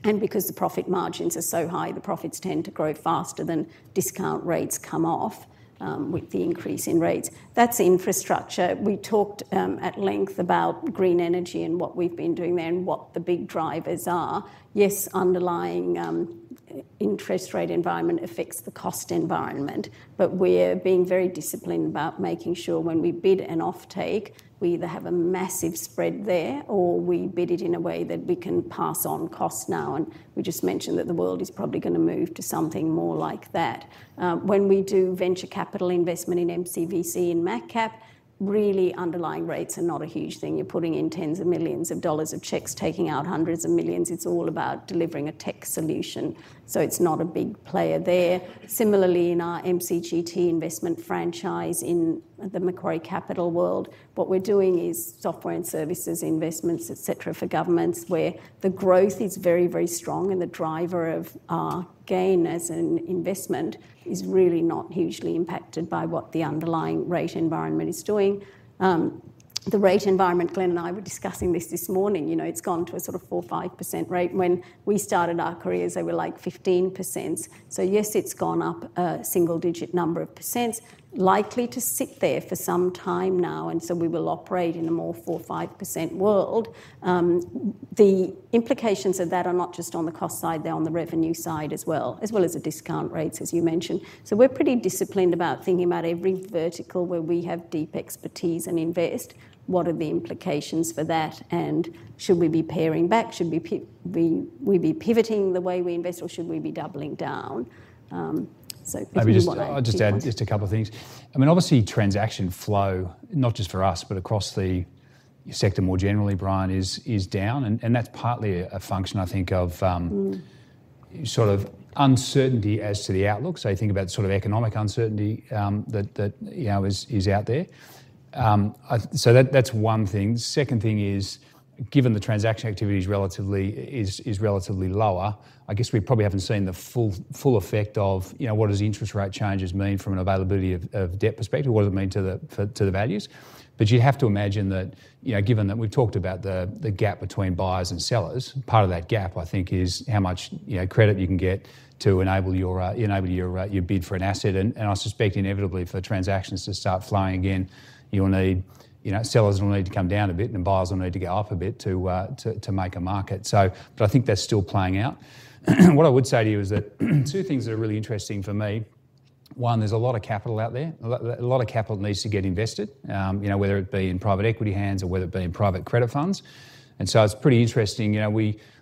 and because the profit margins are so high, the profits tend to grow faster than discount rates come off, with the increase in rates. That's infrastructure. We talked at length about green energy and what we've been doing there and what the big drivers are. Yes, underlying interest rate environment affects the cost environment, but we're being very disciplined about making sure when we bid an offtake, we either have a massive spread there or we bid it in a way that we can pass on costs now, and we just mentioned that the world is probably going to move to something more like that. When we do venture capital investment in MCVC and MacCap, really, underlying rates are not a huge thing. You're putting in tens of millions of dollars of checks, taking out hundreds of millions. It's all about delivering a tech solution, so it's not a big player there. Similarly, in our MCGT investment franchise in the Macquarie Capital world, what we're doing is software and services, investments, et cetera, for governments, where the growth is very, very strong and the driver of our gain as an investment is really not hugely impacted by what the underlying rate environment is doing. The rate environment, Glenn and I were discussing this this morning, you know, it's gone to a sort of 4%-5% rate. When we started our careers, they were like 15%. So yes, it's gone up a single-digit number of %, likely to sit there for some time now, and so we will operate in a more 4%-5% world. The implications of that are not just on the cost side, they're on the revenue side as well, as well as the discount rates, as you mentioned. So we're pretty disciplined about thinking about every vertical where we have deep expertise and invest, what are the implications for that, and should we be paring back? Should we be pivoting the way we invest, or should we be doubling down? So if you want to add— Maybe just, I'll just add just a couple of things. I mean, obviously, transaction flow, not just for us, but across the sector more generally, Brian, is down, and that's partly a function, I think, sort of uncertainty as to the outlook. So you think about sort of economic uncertainty, that you know is out there. So that's one thing. Second thing is, given the transaction activity is relatively lower, I guess we probably haven't seen the full effect of, you know, what does the interest rate changes mean from an availability of debt perspective? What does it mean to the values? But you have to imagine that, you know, given that we've talked about the gap between buyers and sellers, part of that gap, I think, is how much, you know, credit you can get to enable your bid for an asset. I suspect inevitably for transactions to start flowing again, you'll need, you know, sellers will need to come down a bit, and buyers will need to go up a bit to, to make a market. But I think that's still playing out. What I would say to you is that, two things that are really interesting for me: one, there's a lot of capital out there. A lot, a lot of capital needs to get invested, you know, whether it be in private equity hands or whether it be in private credit funds, and so it's pretty interesting. You know,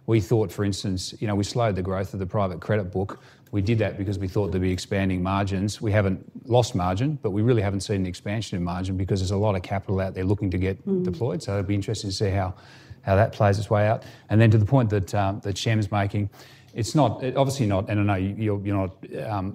we thought, for instance, you know, we slowed the growth of the private credit book. We did that because we thought there'd be expanding margins. We haven't lost margin, but we really haven't seen an expansion in margin because there's a lot of capital out there looking to get deployed. So it'll be interesting to see how that plays its way out. And then to the point that Shem is making, it's not, obviously not, and I know you're not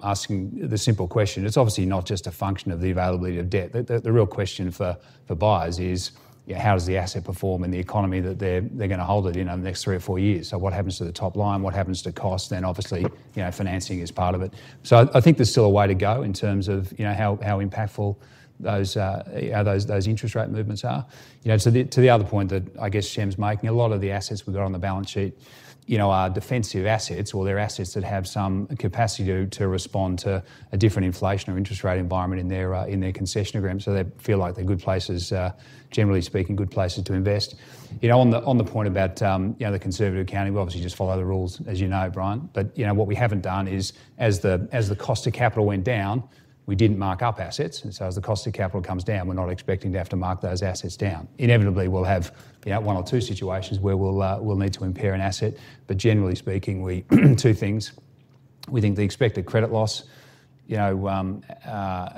asking the simple question. It's obviously not just a function of the availability of debt. The real question for buyers is, how does the asset perform in the economy that they're going to hold it in over the next three or four years? So what happens to the top line? What happens to cost? Then, obviously, you know, financing is part of it. So I think there's still a way to go in terms of, you know, how impactful those, how those interest rate movements are. You know, to the other point that I guess Shem's making, a lot of the assets we've got on the balance sheet, you know, are defensive assets, or they're assets that have some capacity to respond to a different inflation or interest rate environment in their concession agreement. So they feel like they're good places, generally speaking, good places to invest. You know, on the point about, you know, the conservative accounting, we obviously just follow the rules, as you know, Brian. But, you know, what we haven't done is, as the cost of capital went down, we didn't mark up assets, and so as the cost of capital comes down, we're not expecting to have to mark those assets down. Inevitably, we'll have, you know, one or two situations where we'll need to impair an asset. But generally speaking, two things: we think the expected credit loss, you know,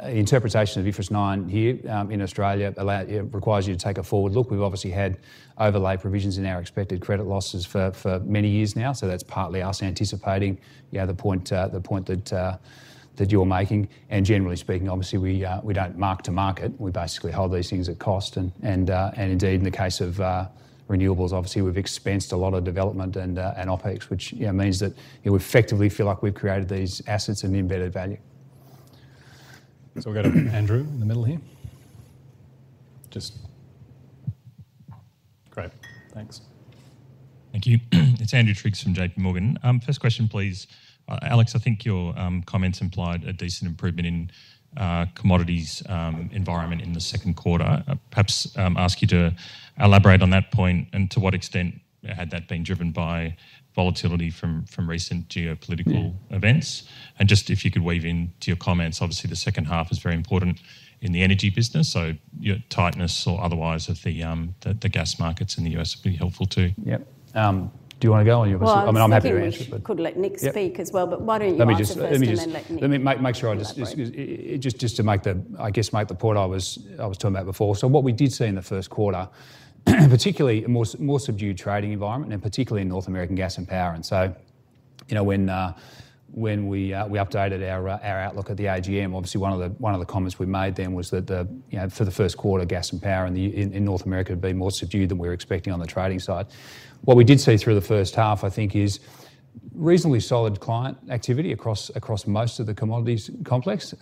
interpretation of IFRS 9 here in Australia allows. It requires you to take a forward look. We've obviously had overlay provisions in our expected credit losses for many years now, so that's partly us anticipating, you know, the point that you're making. And generally speaking, obviously, we don't mark to market. We basically hold these things at cost. And indeed, in the case of renewables, obviously, we've expensed a lot of development and OpEx, which, you know, means that you effectively feel like we've created these assets and the embedded value. So we'll go to Andrew in the middle here. Just, great, thanks. Thank you. It's Andrew Triggs from JPMorgan. First question, please, Alex, I think your comments implied a decent improvement in commodities environment in the second quarter. Perhaps ask you to elaborate on that point and to what extent had that been driven by volatility from recent geopolitical events? Just if you could weave into your comments, obviously, the second half is very important in the energy business, so, you know, tightness or otherwise of the gas markets in the U.S. would be helpful, too. Yep. Do you want to go, or you obviously—I mean, I'm happy to answer, but— Well, I think we could let Nick speak as well— Yep. But why don't you answer first, and then let Nick- Let me just make sure to make the point I was talking about before. I guess, so what we did see in the first quarter, particularly a more subdued trading North American Gas and Power, and so, you know, when we updated our outlook at the AGM, obviously one of the comments we made then was that, you know, for the first quarter, gas and power in North America had been more subdued than we were expecting on the trading side. What we did see through the first half, I think, is reasonably solid client activity across most of the commodities complex.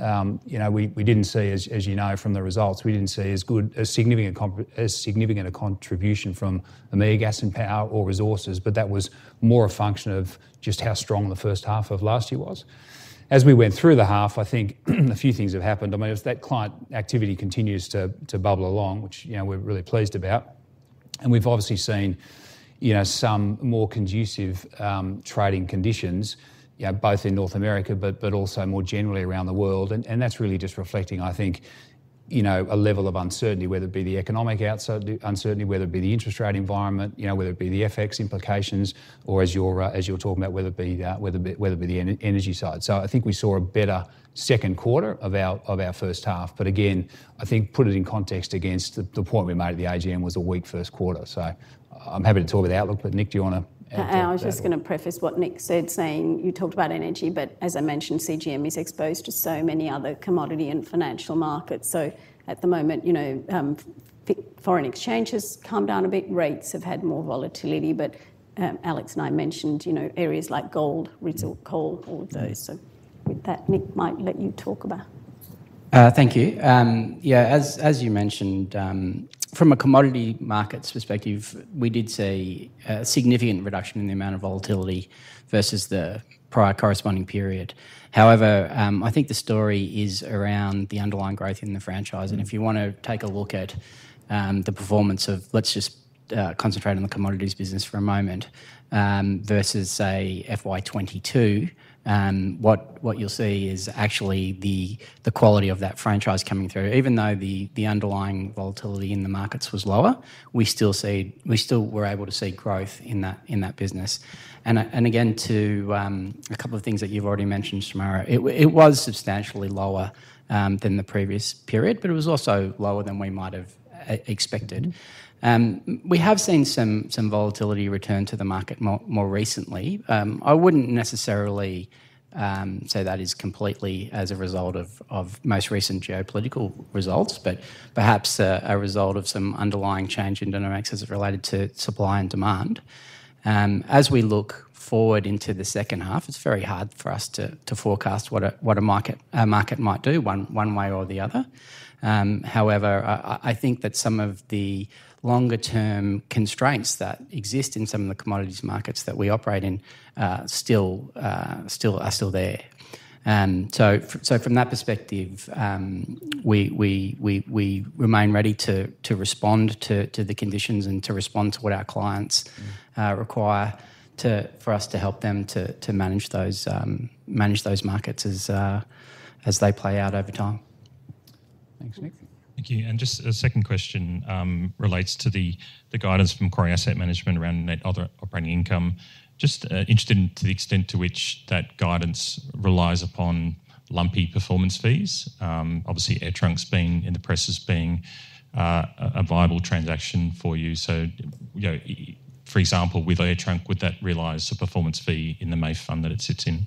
You know, we didn't see, as you know, from the results, we didn't see as good, as significant a contribution from the mega gas and power or resources, but that was more a function of just how strong the first half of last year was. As we went through the half, I think, a few things have happened. I mean, as that client activity continues to bubble along, which, you know, we're really pleased about, and we've obviously seen, you know, some more conducive trading conditions, you know, both in North America, but also more generally around the world. That's really just reflecting, I think, you know, a level of uncertainty, whether it be the economic uncertainty, whether it be the interest rate environment, you know, whether it be the FX implications, or as you're talking about, whether it be the energy side. So I think we saw a better second quarter of our first half. But again, I think put it in context against the point we made at the AGM was a weak first quarter. So I'm happy to talk about outlook, but, Nick, do you want to add to that? I, I was just going to preface what Nick said, saying you talked about energy, but as I mentioned, CGM is exposed to so many other commodity and financial markets. So at the moment, you know, foreign exchange has calmed down a bit, rates have had more volatility, but, Alex and I mentioned, you know, areas like gold, coal, all of those. So with that, Nick, might let you talk about- Thank you. Yeah, as you mentioned, from a commodity markets perspective, we did see a significant reduction in the amount of volatility versus the prior corresponding period. However, I think the story is around the underlying growth in the franchise. If you wanna take a look at the performance of—let's just concentrate on the commodities business for a moment, versus, say, FY 2022, what you'll see is actually the quality of that franchise coming through. Even though the underlying volatility in the markets was lower, we still see—we still were able to see growth in that business. And again, to a couple of things that you've already mentioned, Shemara, it was substantially lower than the previous period, but it was also lower than we might have expected. We have seen some volatility return to the market more recently. I wouldn't necessarily say that is completely as a result of most recent geopolitical results, but perhaps a result of some underlying change in dynamics as it related to supply and demand. As we look forward into the second half, it's very hard for us to forecast what a market might do, one way or the other. However, I think that some of the longer-term constraints that exist in some of the commodities markets that we operate in are still there. So from that perspective, we remain ready to respond to the conditions and to respond to what our clients require for us to help them to manage those markets as they play out over time. Thanks, Nick. Thank you. Just a second question, relates to the guidance from Macquarie Asset Management around net other operating income. Just interested in to the extent to which that guidance relies upon lumpy performance fees. Obviously, AirTrunk's been in the press as being a viable transaction for you. So, you know, for example, with AirTrunk, would that realize a performance fee in the MAM fund that it sits in?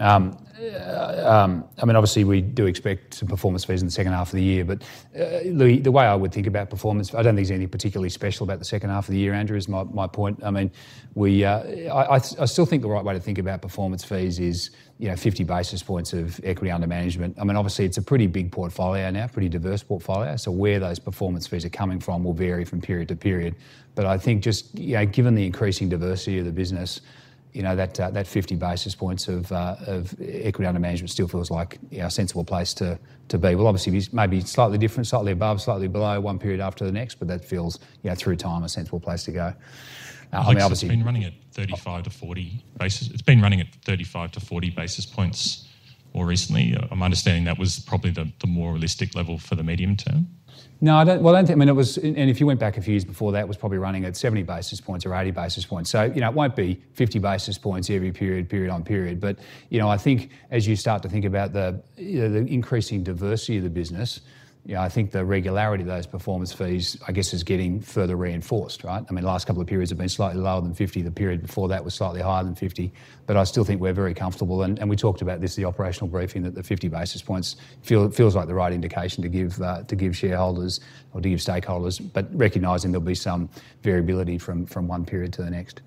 I mean, obviously, we do expect some performance fees in the second half of the year, but look, the way I would think about performance, I don't think there's anything particularly special about the second half of the year, Andrew, is my point. I mean, we still think the right way to think about performance fees is, you know, 50 basis points of equity under management. I mean, obviously, it's a pretty big portfolio now, pretty diverse portfolio. So where those performance fees are coming from will vary from period to period. But I think just, you know, given the increasing diversity of the business, you know, that 50 basis points of equity under management still feels like, you know, a sensible place to be. Well, obviously, it may be slightly different, slightly above, slightly below one period after the next, but that feels, you know, through time, a sensible place to go. It's been running at 35 basis points-40 basis points more recently. I'm understanding that was probably the more realistic level for the medium term. No, I don't. Well, I think, I mean, it was. And, and if you went back a few years before that, it was probably running at 70 basis points or 80 basis points. So, you know, it won't be 50 basis points every period, period on period. But, you know, I think as you start to think about the, you know, the increasing diversity of the business, you know, I think the regularity of those performance fees, I guess, is getting further reinforced, right? I mean, the last couple of periods have been slightly lower than 50 basis points. The period before that was slightly higher than 50 basis points. But I still think we're very comfortable, and we talked about this in the operational briefing, that the 50 basis points feels like the right indication to give to give shareholders or to give stakeholders, but recognizing there'll be some variability from one period to the next.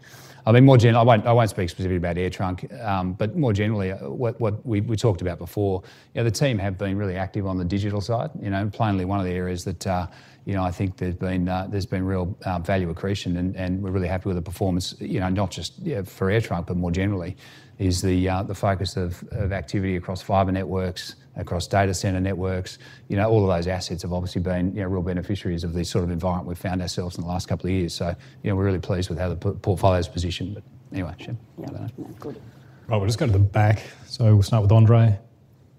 I mean, I won't speak specifically about AirTrunk, but more generally, what we talked about before, you know, the team have been really active on the digital side. You know, plainly, one of the areas that you know, I think there's been there's been real value accretion, and we're really happy with the performance, you know, not just for AirTrunk, but more generally, is the focus of activity across fiber networks, across data center networks. You know, all of those assets have obviously been, you know, real beneficiaries of the sort of environment we've found ourselves in the last couple of years. So, you know, we're really pleased with how the portfolio is positioned, but anyway, sure. Yeah. No, good. Right, we'll just go to the back. So we'll start with Andrei,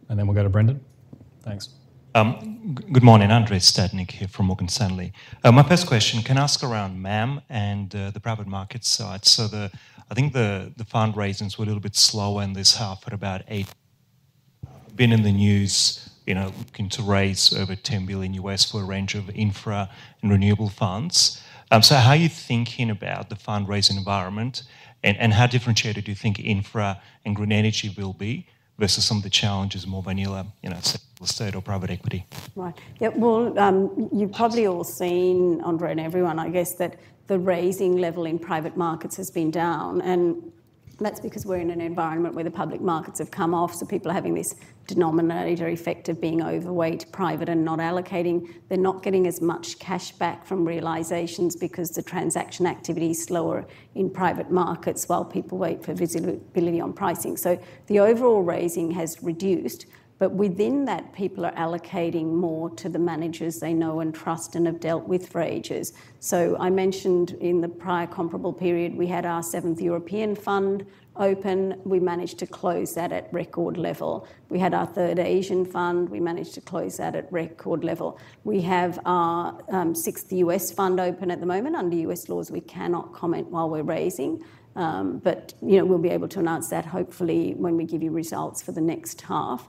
and then we'll go to Brendan. Thanks. Good morning, Andrei Stadnik here from Morgan Stanley. My first question, can I ask around MAM and the private market side? So I think the fundraisings were a little bit slower in this half at about 8 [inaudible] been in the news, you know, looking to raise over $10 billion for a range of infra and renewable funds. So how are you thinking about the fundraising environment, and how differentiated do you think infra and green energy will be versus some of the challenges more vanilla, you know, state or private equity? Right. Yeah, well, you've probably all seen, Andrei, and everyone, I guess, that the raising level in private markets has been down, and that's because we're in an environment where the public markets have come off. So people are having this denominator effect of being overweight, private, and not allocating. They're not getting as much cash back from realizations because the transaction activity is slower in private markets while people wait for visibility on pricing. So the overall raising has reduced, but within that, people are allocating more to the managers they know and trust and have dealt with for ages. So I mentioned in the prior comparable period, we had our seventh European fund open. We managed to close that at record level. We had our third Asian fund. We managed to close that at record level. We have our, sixth U.S. fund open at the moment. Under U.S. laws, we cannot comment while we're raising, but, you know, we'll be able to announce that hopefully when we give you results for the next half.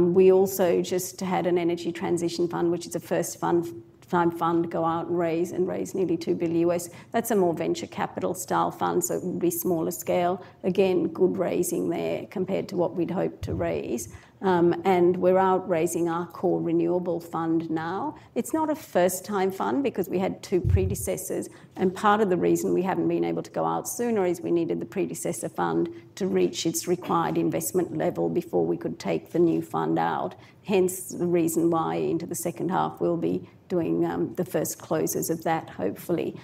We also just had an Energy Transition Fund, which is the first fund to go out and raise, and raised nearly $2 billion. That's a more venture capital style fund, so it will be smaller scale. Again, good raising there compared to what we'd hoped to raise. And we're out raising our Core Renewable Fund now. It's not a first time fund because we had two predecessors, and part of the reason we haven't been able to go out sooner is we needed the predecessor fund to reach its required investment level before we could take the new fund out. Hence, the reason why into the second half, we'll be doing the first closes of that, hopefully.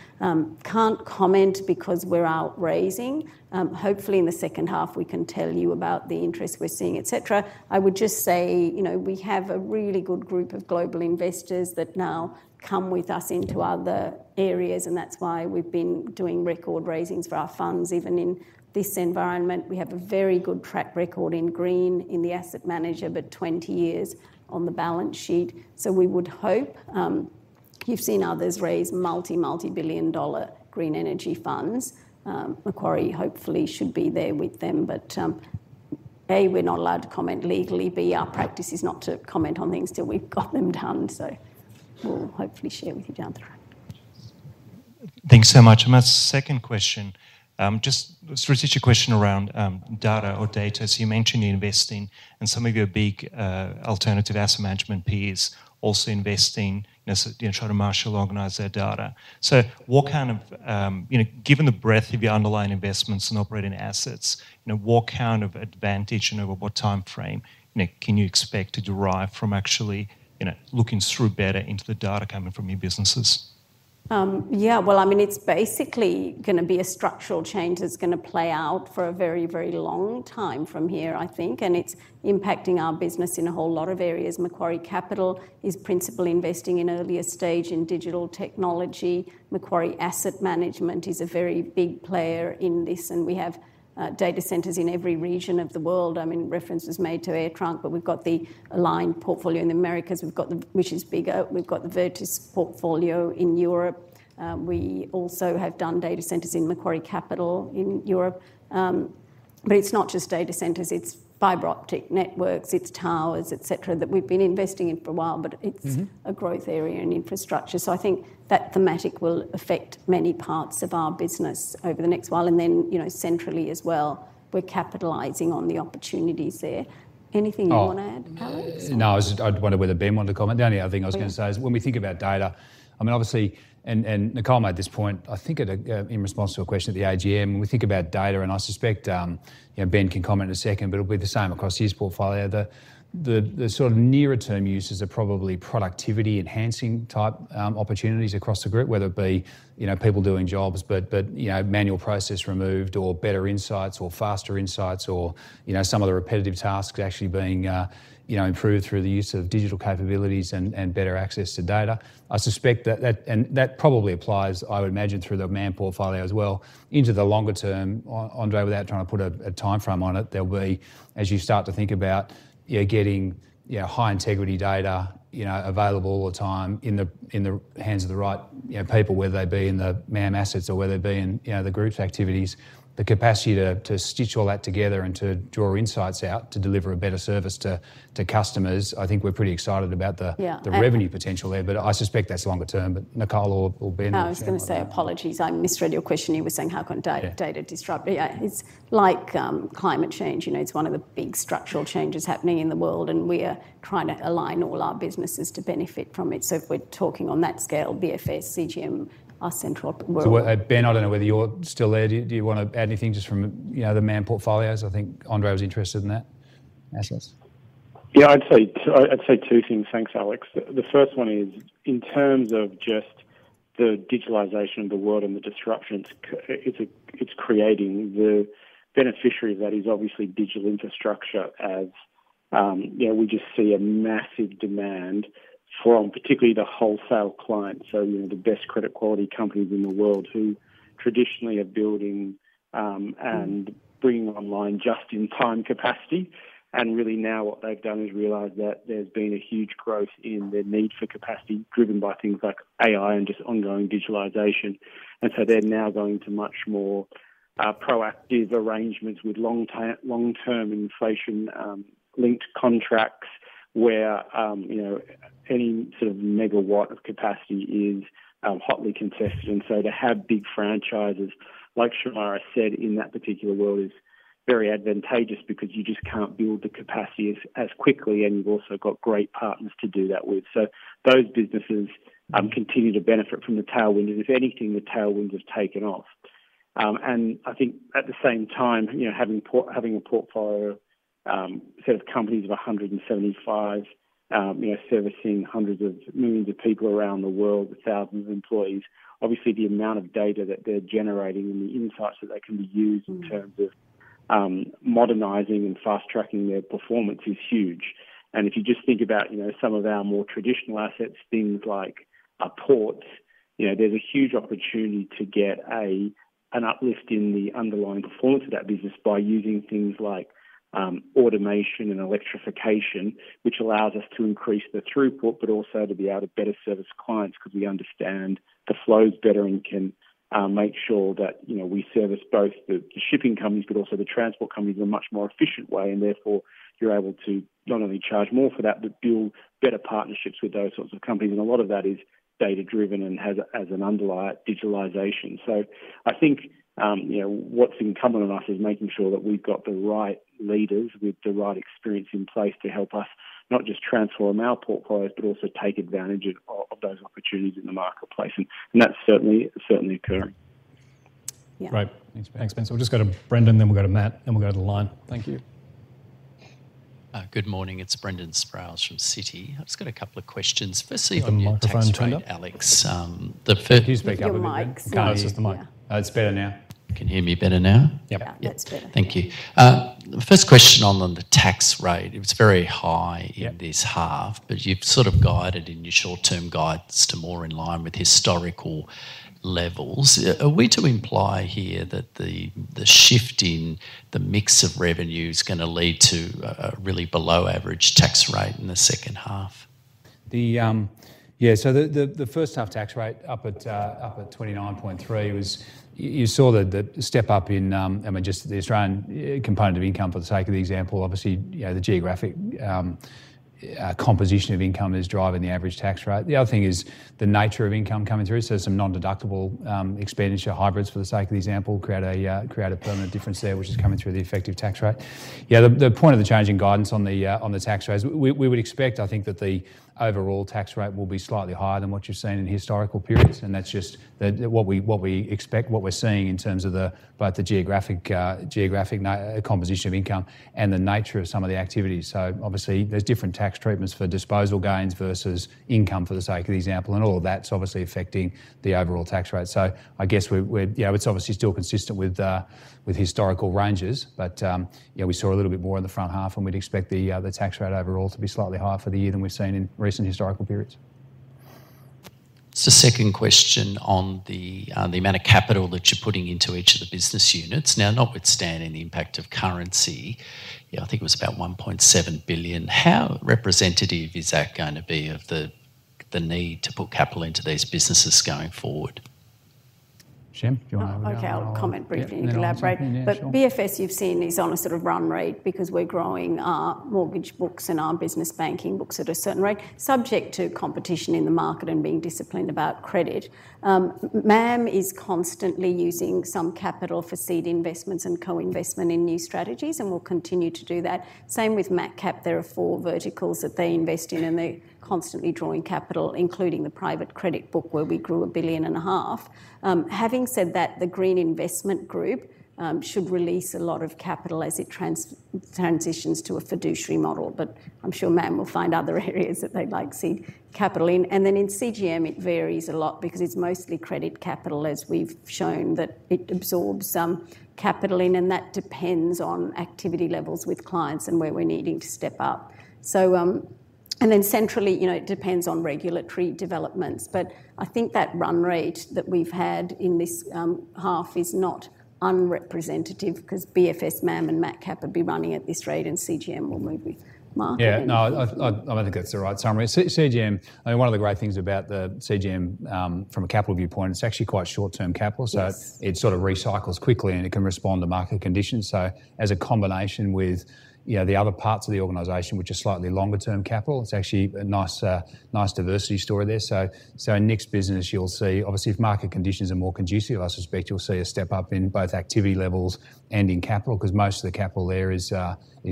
Can't comment because we're out raising. Hopefully, in the second half, we can tell you about the interest we're seeing, et cetera. I would just say, you know, we have a really good group of global investors that now come with us into other areas, and that's why we've been doing record raisings for our funds. Even in this environment, we have a very good track record in green, in the asset manager, but 20 years on the balance sheet. So we would hope you've seen others raise multi, multi-billion-dollar green energy funds. Macquarie hopefully should be there with them, but, A, we're not allowed to comment legally. B, our practice is not to comment on things till we've got them done. So we'll hopefully share with you down the track. Thanks so much. My second question, just a strategic question around data or data. So you mentioned you're investing, and some of your big alternative asset management peers also investing, you know, so, you know, try to marshal, organize their data. So what kind of—you know, given the breadth of your underlying investments and operating assets, you know, what kind of advantage and over what timeframe, Nick, can you expect to derive from actually, you know, looking through better into the data coming from your businesses? Yeah, well, I mean, it's basically going to be a structural change that's going to play out for a very, very long time from here, I think, and it's impacting our business in a whole lot of areas. Macquarie Capital is principally investing in earlier stage in digital technology. Macquarie Asset Management is a very big player in this, and we have data centers in every region of the world. I mean, reference was made to AirTrunk, but we've got the Aligned portfolio in the Americas. We've got the, which is bigger. We've got the VIRTUS portfolio in Europe. We also have done data centers in Macquarie Capital in Europe. But it's not just data centers, it's fiber optic networks, it's towers, et cetera, that we've been investing in for a while, but it's- a growth area in infrastructure. So I think that thematic will affect many parts of our business over the next while, and then, you know, centrally as well, we're capitalizing on the opportunities there. Anything you want to add, Alex? Oh, no, I was just—I wondered whether Ben wanted to comment. The only other thing I was going to say is— Please. When we think about data, I mean, obviously, and Nicole made this point, I think at a in response to a question at the AGM. When we think about data, and I suspect, you know, Ben can comment in a second, but it'll be the same across his portfolio. The sort of nearer term uses are probably productivity enhancing type opportunities across the group, whether it be, you know, people doing jobs, but you know, manual process removed or better insights or faster insights or, you know, some of the repetitive tasks actually being, you know, improved through the use of digital capabilities and better access to data. I suspect that, and that probably applies, I would imagine, through the MAM portfolio as well. Into the longer term, oh, Andrei, without trying to put a timeframe on it, there'll be, as you start to think about, you're getting, you know, high integrity data, you know, available all the time in the, in the hands of the right, you know, people, whether they be in the MAM assets or whether they be in, you know, the group's activities. The capacity to, to stitch all that together and to draw insights out, to deliver a better service to, to customers, I think we're pretty excited about the— Yeah, and— The revenue potential there, but I suspect that's longer term. But Nicole or, or Ben— No, I was going to say, apologies, I misread your question. You were saying how can data— Yeah. Data disrupt? But yeah, it's like, climate change, you know, it's one of the big structural changes happening in the world, and we are trying to align all our businesses to benefit from it. So if we're talking on that scale, BFS, CGM, our central world. So what, Ben, I don't know whether you're still there. Do you want to add anything just from, you know, the MAM portfolios? I think Andrei was interested in that. Anyways. Yeah, I'd say two things. Thanks, Alex. The first one is in terms of just the digitalization of the world and the disruptions it's creating, the beneficiary of that is obviously digital infrastructure. As you know, we just see a massive demand from particularly the wholesale clients, so you know, the best credit quality companies in the world who traditionally are building and bringing online just-in-time capacity. And really now what they've done is realized that there's been a huge growth in their need for capacity, driven by things like AI and just ongoing digitalization. And so they're now going to much more proactive arrangements with long-term inflation-linked contracts, where you know, any sort of megawatt of capacity is hotly contested. And so to have big franchises, like Shemara said, in that particular world, is very advantageous because you just can't build the capacity as quickly, and you've also got great partners to do that with. So those businesses continue to benefit from the tailwinds. If anything, the tailwinds have taken off. And I think at the same time, you know, having a portfolio set of companies of 175, you know, servicing hundreds of millions of people around the world with thousands of employees, obviously, the amount of data that they're generating and the insights that they can be used in terms of modernizing and fast-tracking their performance is huge. And if you just think about, you know, some of our more traditional assets, things like ports, you know, there's a huge opportunity to get an uplift in the underlying performance of that business by using things like automation and electrification, which allows us to increase the throughput, but also to be able to better service clients because we understand the flows better and can make sure that, you know, we service both the shipping companies, but also the transport companies in a much more efficient way. And therefore, you're able to not only charge more for that, but build better partnerships with those sorts of companies. And a lot of that is data-driven and has an underlying digitalization. So I think, you know, what's incumbent on us is making sure that we've got the right leaders with the right experience in place to help us not just transform our portfolios, but also take advantage of those opportunities in the marketplace. And that's certainly occurring. Yeah. Great. Thanks, Ben. So we'll just go to Brendan, then we'll go to Matt, then we'll go to the line. Thank you. Good morning, it's Brendan Sproules from Citi. I've just got a couple of questions. Firstly, on your tax rate. Do you have the microphone turned up? Alex, the first— Can you speak up a bit? Your mic's— No, it's just the mic. It's better now. You can hear me better now? Yep. Yeah, that's better. Thank you. The first question on the tax rate, it was very high— Yeah In this half, but you've sort of guided in your short-term guides to more in line with historical levels. Are we to imply here that the, the shift in the mix of revenue is going to lead to a, a really below average tax rate in the second half? The yeah, so the first half tax rate up at 29.3% was, you saw the step up in, I mean, just the Australian component of income for the sake of the example. Obviously, you know, the geographic composition of income is driving the average tax rate. The other thing is the nature of income coming through. So some non-deductible expenditure hybrids, for the sake of example, create a permanent difference there, which is coming through the effective tax rate. Yeah, the point of the change in guidance on the tax rates, we would expect, I think, that the overall tax rate will be slightly higher than what you're seeing in historical periods. And that's just what we expect, what we're seeing in terms of both the geographic composition of income and the nature of some of the activities. So obviously, there's different tax treatments for disposal gains versus income, for the sake of example, and all of that's obviously affecting the overall tax rate. So I guess it's obviously still consistent with historical ranges. But we saw a little bit more in the front half, and we'd expect the tax rate overall to be slightly higher for the year than we've seen in recent historical periods. Just a second question on the amount of capital that you're putting into each of the business units. Now, notwithstanding the impact of currency, yeah, I think it was about 1.7 billion. How representative is that going to be of the need to put capital into these businesses going forward? Shem, do you want to? Okay, I'll comment briefly and elaborate. Yeah, sure. But BFS, you've seen, is on a sort of run rate because we're growing our mortgage books and our business banking books at a certain rate, subject to competition in the market and being disciplined about credit. MAM is constantly using some capital for seed investments and co-investment in new strategies, and we'll continue to do that. Same with MacCap. There are four verticals that they invest in, and they're constantly drawing capital, including the private credit book, where we grew 1.5 billion. Having said that, the Green Investment Group should release a lot of capital as it transitions to a fiduciary model, but I'm sure MAM will find other areas that they'd like seed capital in. Then in CGM, it varies a lot because it's mostly credit capital, as we've shown, that it absorbs some capital in, and that depends on activity levels with clients and where we're needing to step up. So, and then centrally, you know, it depends on regulatory developments. But I think that run rate that we've had in this, half is not unrepresentative because BFS, MAM, and MacCap would be running at this rate, and CGM will move with market. Yeah. No, I think that's the right summary. CGM, I mean, one of the great things about the CGM, from a capital viewpoint, it's actually quite short-term capital. So it sort of recycles quickly, and it can respond to market conditions. So as a combination with, you know, the other parts of the organization, which are slightly longer-term capital, it's actually a nice, nice diversity story there. So, so in next business, you'll see, obviously, if market conditions are more conducive, I suspect you'll see a step-up in both activity levels and in capital, because most of the capital there is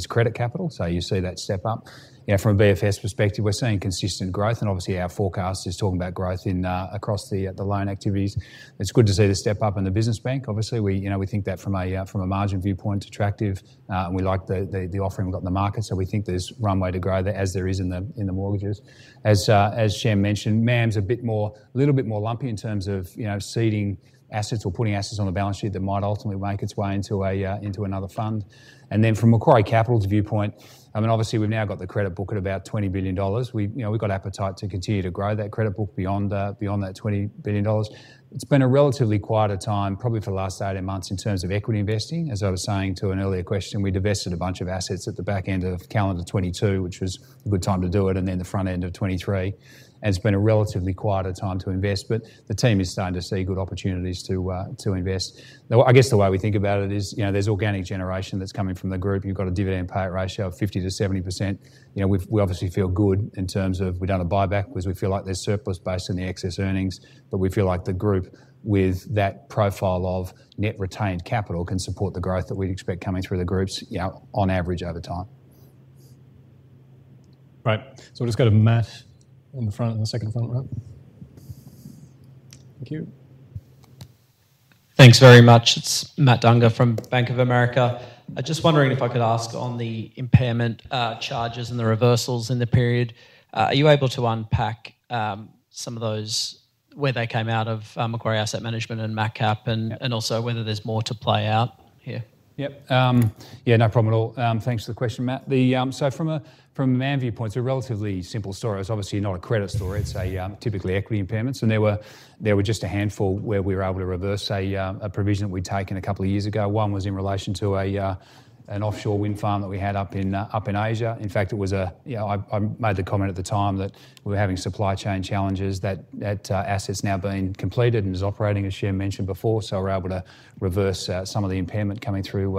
credit capital. So you see that step up. You know, from a BFS perspective, we're seeing consistent growth, and obviously, our forecast is talking about growth in, across the, the loan activities. It's good to see the step up in the business bank. Obviously, we, you know, we think that from a, from a margin viewpoint, it's attractive, and we like the, the, the offering we've got in the market. So we think there's runway to grow there, as there is in the mortgages. As Shem mentioned, MAM's a bit more, little bit more lumpy in terms of, you know, seeding assets or putting assets on the balance sheet that might ultimately make its way into another fund. And then from Macquarie Capital's viewpoint, I mean, obviously, we've now got the credit book at about 20 billion dollars. We, you know, we've got appetite to continue to grow that credit book beyond that 20 billion dollars. It's been a relatively quieter time, probably for the last 18 months, in terms of equity investing. As I was saying to an earlier question, we divested a bunch of assets at the back end of calendar 2022, which was a good time to do it, and then the front end of 2023. It's been a relatively quieter time to invest, but the team is starting to see good opportunities to invest. Now, I guess the way we think about it is, you know, there's organic generation that's coming from the group. You've got a dividend payout ratio of 50%-70%. You know, we obviously feel good in terms of we've done a buyback because we feel like there's surplus based on the excess earnings. But we feel like the group with that profile of net retained capital can support the growth that we'd expect coming through the groups, you know, on average over time. Right. So we've just got Matt on the front, on the second front row. Thank you. Thanks very much. It's Matt Dunger from Bank of America. I just wondering if I could ask on the impairment charges and the reversals in the period. Are you able to unpack some of those, where they came out of Macquarie Asset Management and MacCap and also whether there's more to play out here? Yep. Yeah, no problem at all. Thanks for the question, Matt. So from a MAM viewpoint, it's a relatively simple story. It's obviously not a credit story. It's typically equity impairments, and there were just a handful where we were able to reverse a provision that we'd taken a couple of years ago. One was in relation to an offshore wind farm that we had up in Asia. In fact, it was a—you know, I made the comment at the time that we were having supply chain challenges, that asset's now been completed and is operating, as Shem mentioned before. So we're able to reverse some of the impairment coming through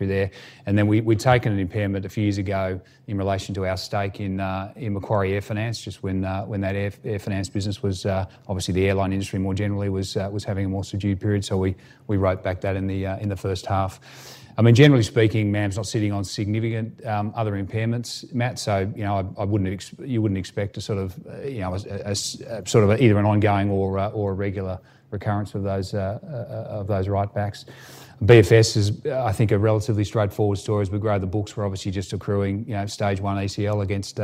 there. And then we, we'd taken an impairment a few years ago in relation to our stake in, in Macquarie Air Finance, just when, when that air finance business was, obviously, the airline industry, more generally, was having a more subdued period. So we, we wrote back that in the, in the first half. I mean, generally speaking, MAM's not sitting on significant, other impairments, Matt, so you know, I wouldn't expect you wouldn't expect a sort of, you know, a sort of either an ongoing or, or a regular recurrence of those, of those write backs. BFS is, I think, a relatively straightforward story. As we grow the books, we're obviously just accruing, you know, Stage 1 ECL against,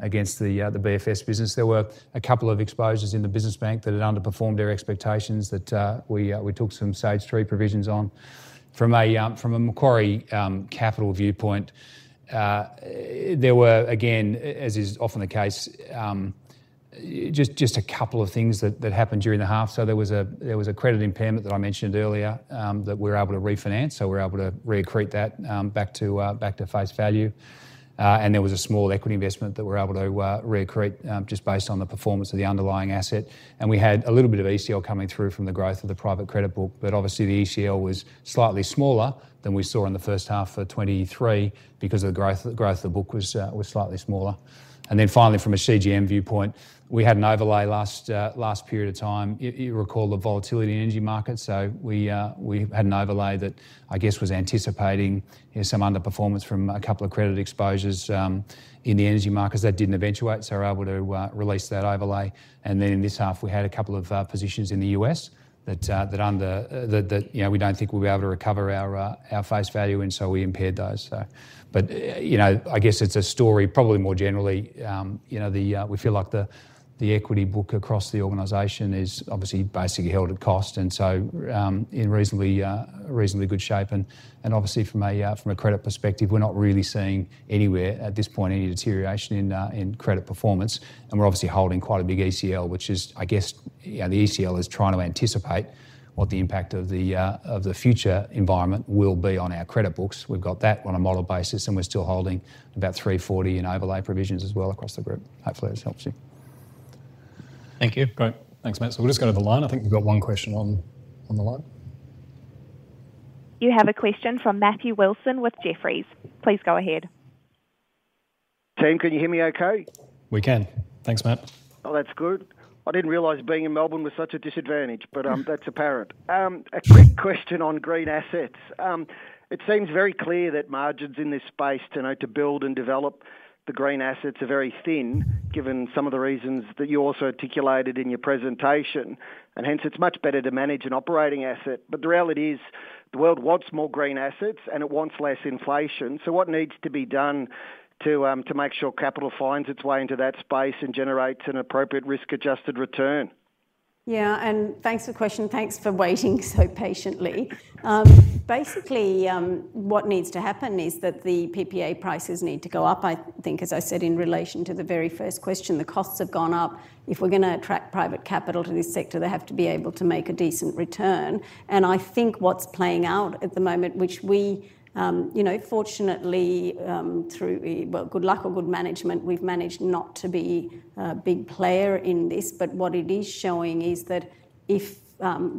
against the, the BFS business. There were a couple of exposures in the business bank that had underperformed their expectations that we took some Stage 3 provisions on. From a Macquarie Capital viewpoint, there were, again, as is often the case, just a couple of things that happened during the half. So there was a credit impairment that I mentioned earlier that we were able to refinance, so we're able to recreate that back to face value. And there was a small equity investment that we're able to recreate just based on the performance of the underlying asset. And we had a little bit of ECL coming through from the growth of the private credit book, but obviously the ECL was slightly smaller than we saw in the first half of 2023 because of the growth, the growth of the book was slightly smaller. And then finally, from a CGM viewpoint, we had an overlay last period of time. You recall the volatility in energy markets, so we had an overlay that I guess was anticipating some underperformance from a couple of credit exposures in the energy markets. That didn't eventuate, so we're able to release that overlay. And then in this half, we had a couple of positions in the U.S. that under— That, you know, we don't think we'll be able to recover our face value, and so we impaired those, so. But, you know, I guess it's a story probably more generally, you know, we feel like the equity book across the organization is obviously basically held at cost, and so, in reasonably good shape. And obviously from a credit perspective, we're not really seeing anywhere at this point any deterioration in credit performance. And we're obviously holding quite a big ECL, which is, I guess, you know, the ECL is trying to anticipate what the impact of the future environment will be on our credit books. We've got that on a model basis, and we're still holding about 340 million in overlay provisions as well across the group. Hopefully, this helps you. Thank you. Great. Thanks, Matt. So we'll just go to the line. I think we've got one question on the line. You have a question from Matthew Wilson with Jefferies. Please go ahead. Team, can you hear me okay? We can. Thanks, Matt. Oh, that's good. I didn't realize being in Melbourne was such a disadvantage, but that's apparent. A quick question on green assets. It seems very clear that margins in this space, you know, to build and develop the green assets are very thin, given some of the reasons that you also articulated in your presentation, and hence it's much better to manage an operating asset. But the reality is, the world wants more green assets, and it wants less inflation. So what needs to be done to make sure capital finds its way into that space and generates an appropriate risk-adjusted return? Yeah, and thanks for the question. Thanks for waiting so patiently. Basically, what needs to happen is that the PPA prices need to go up. I think, as I said, in relation to the very first question, the costs have gone up. If we're going to attract private capital to this sector, they have to be able to make a decent return. And I think what's playing out at the moment, which we, you know, fortunately, through, well, good luck or good management, we've managed not to be a big player in this. But what it is showing is that if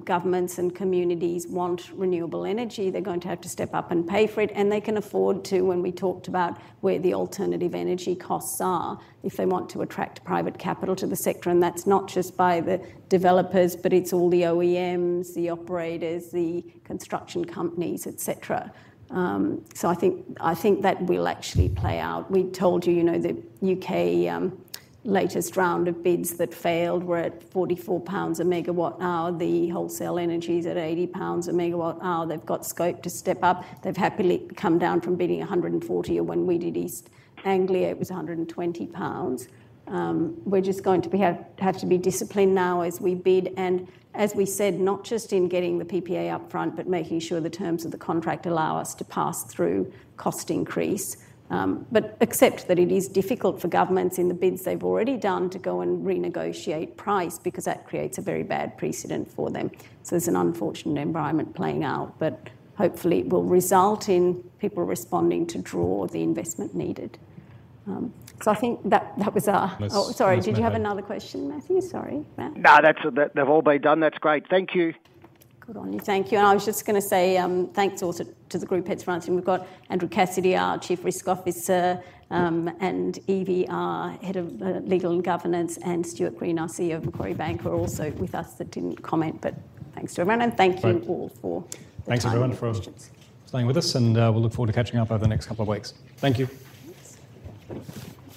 governments and communities want renewable energy, they're going to have to step up and pay for it, and they can afford to, when we talked about where the alternative energy costs are, if they want to attract private capital to the sector, and that's not just by the developers, but it's all the OEMs, the operators, the construction companies, et cetera. So I think, I think that will actually play out. We told you, you know, the U.K. latest round of bids that failed were at 44 pounds a MWh. The wholesale energy is at 80 pounds a MWh. They've got scope to step up. They've happily come down from bidding 140, or when we did East Anglia, it was 120 pounds. We're just going to have to be disciplined now as we bid, and as we said, not just in getting the PPA up front, but making sure the terms of the contract allow us to pass through cost increase. But accept that it is difficult for governments in the bids they've already done to go and renegotiate price because that creates a very bad precedent for them. So it's an unfortunate environment playing out, but hopefully it will result in people responding to draw the investment needed. So I think that was our— Yes. Oh, sorry. Did you have another question, Matthew? Sorry about that. No, that's. They've all been done. That's great. Thank you. Good on you. Thank you. And I was just going to say, thanks also to the group heads for answering. We've got Andrew Cassidy, our Chief Risk Officer, and Evie, our Head of Legal and Governance, and Stuart Green, our CEO of Macquarie Bank, who are also with us that didn't comment. But thanks to everyone, and thank you all for— Thanks, everyone— The questions. For staying with us, and, we'll look forward to catching up over the next couple of weeks. Thank you. Thanks.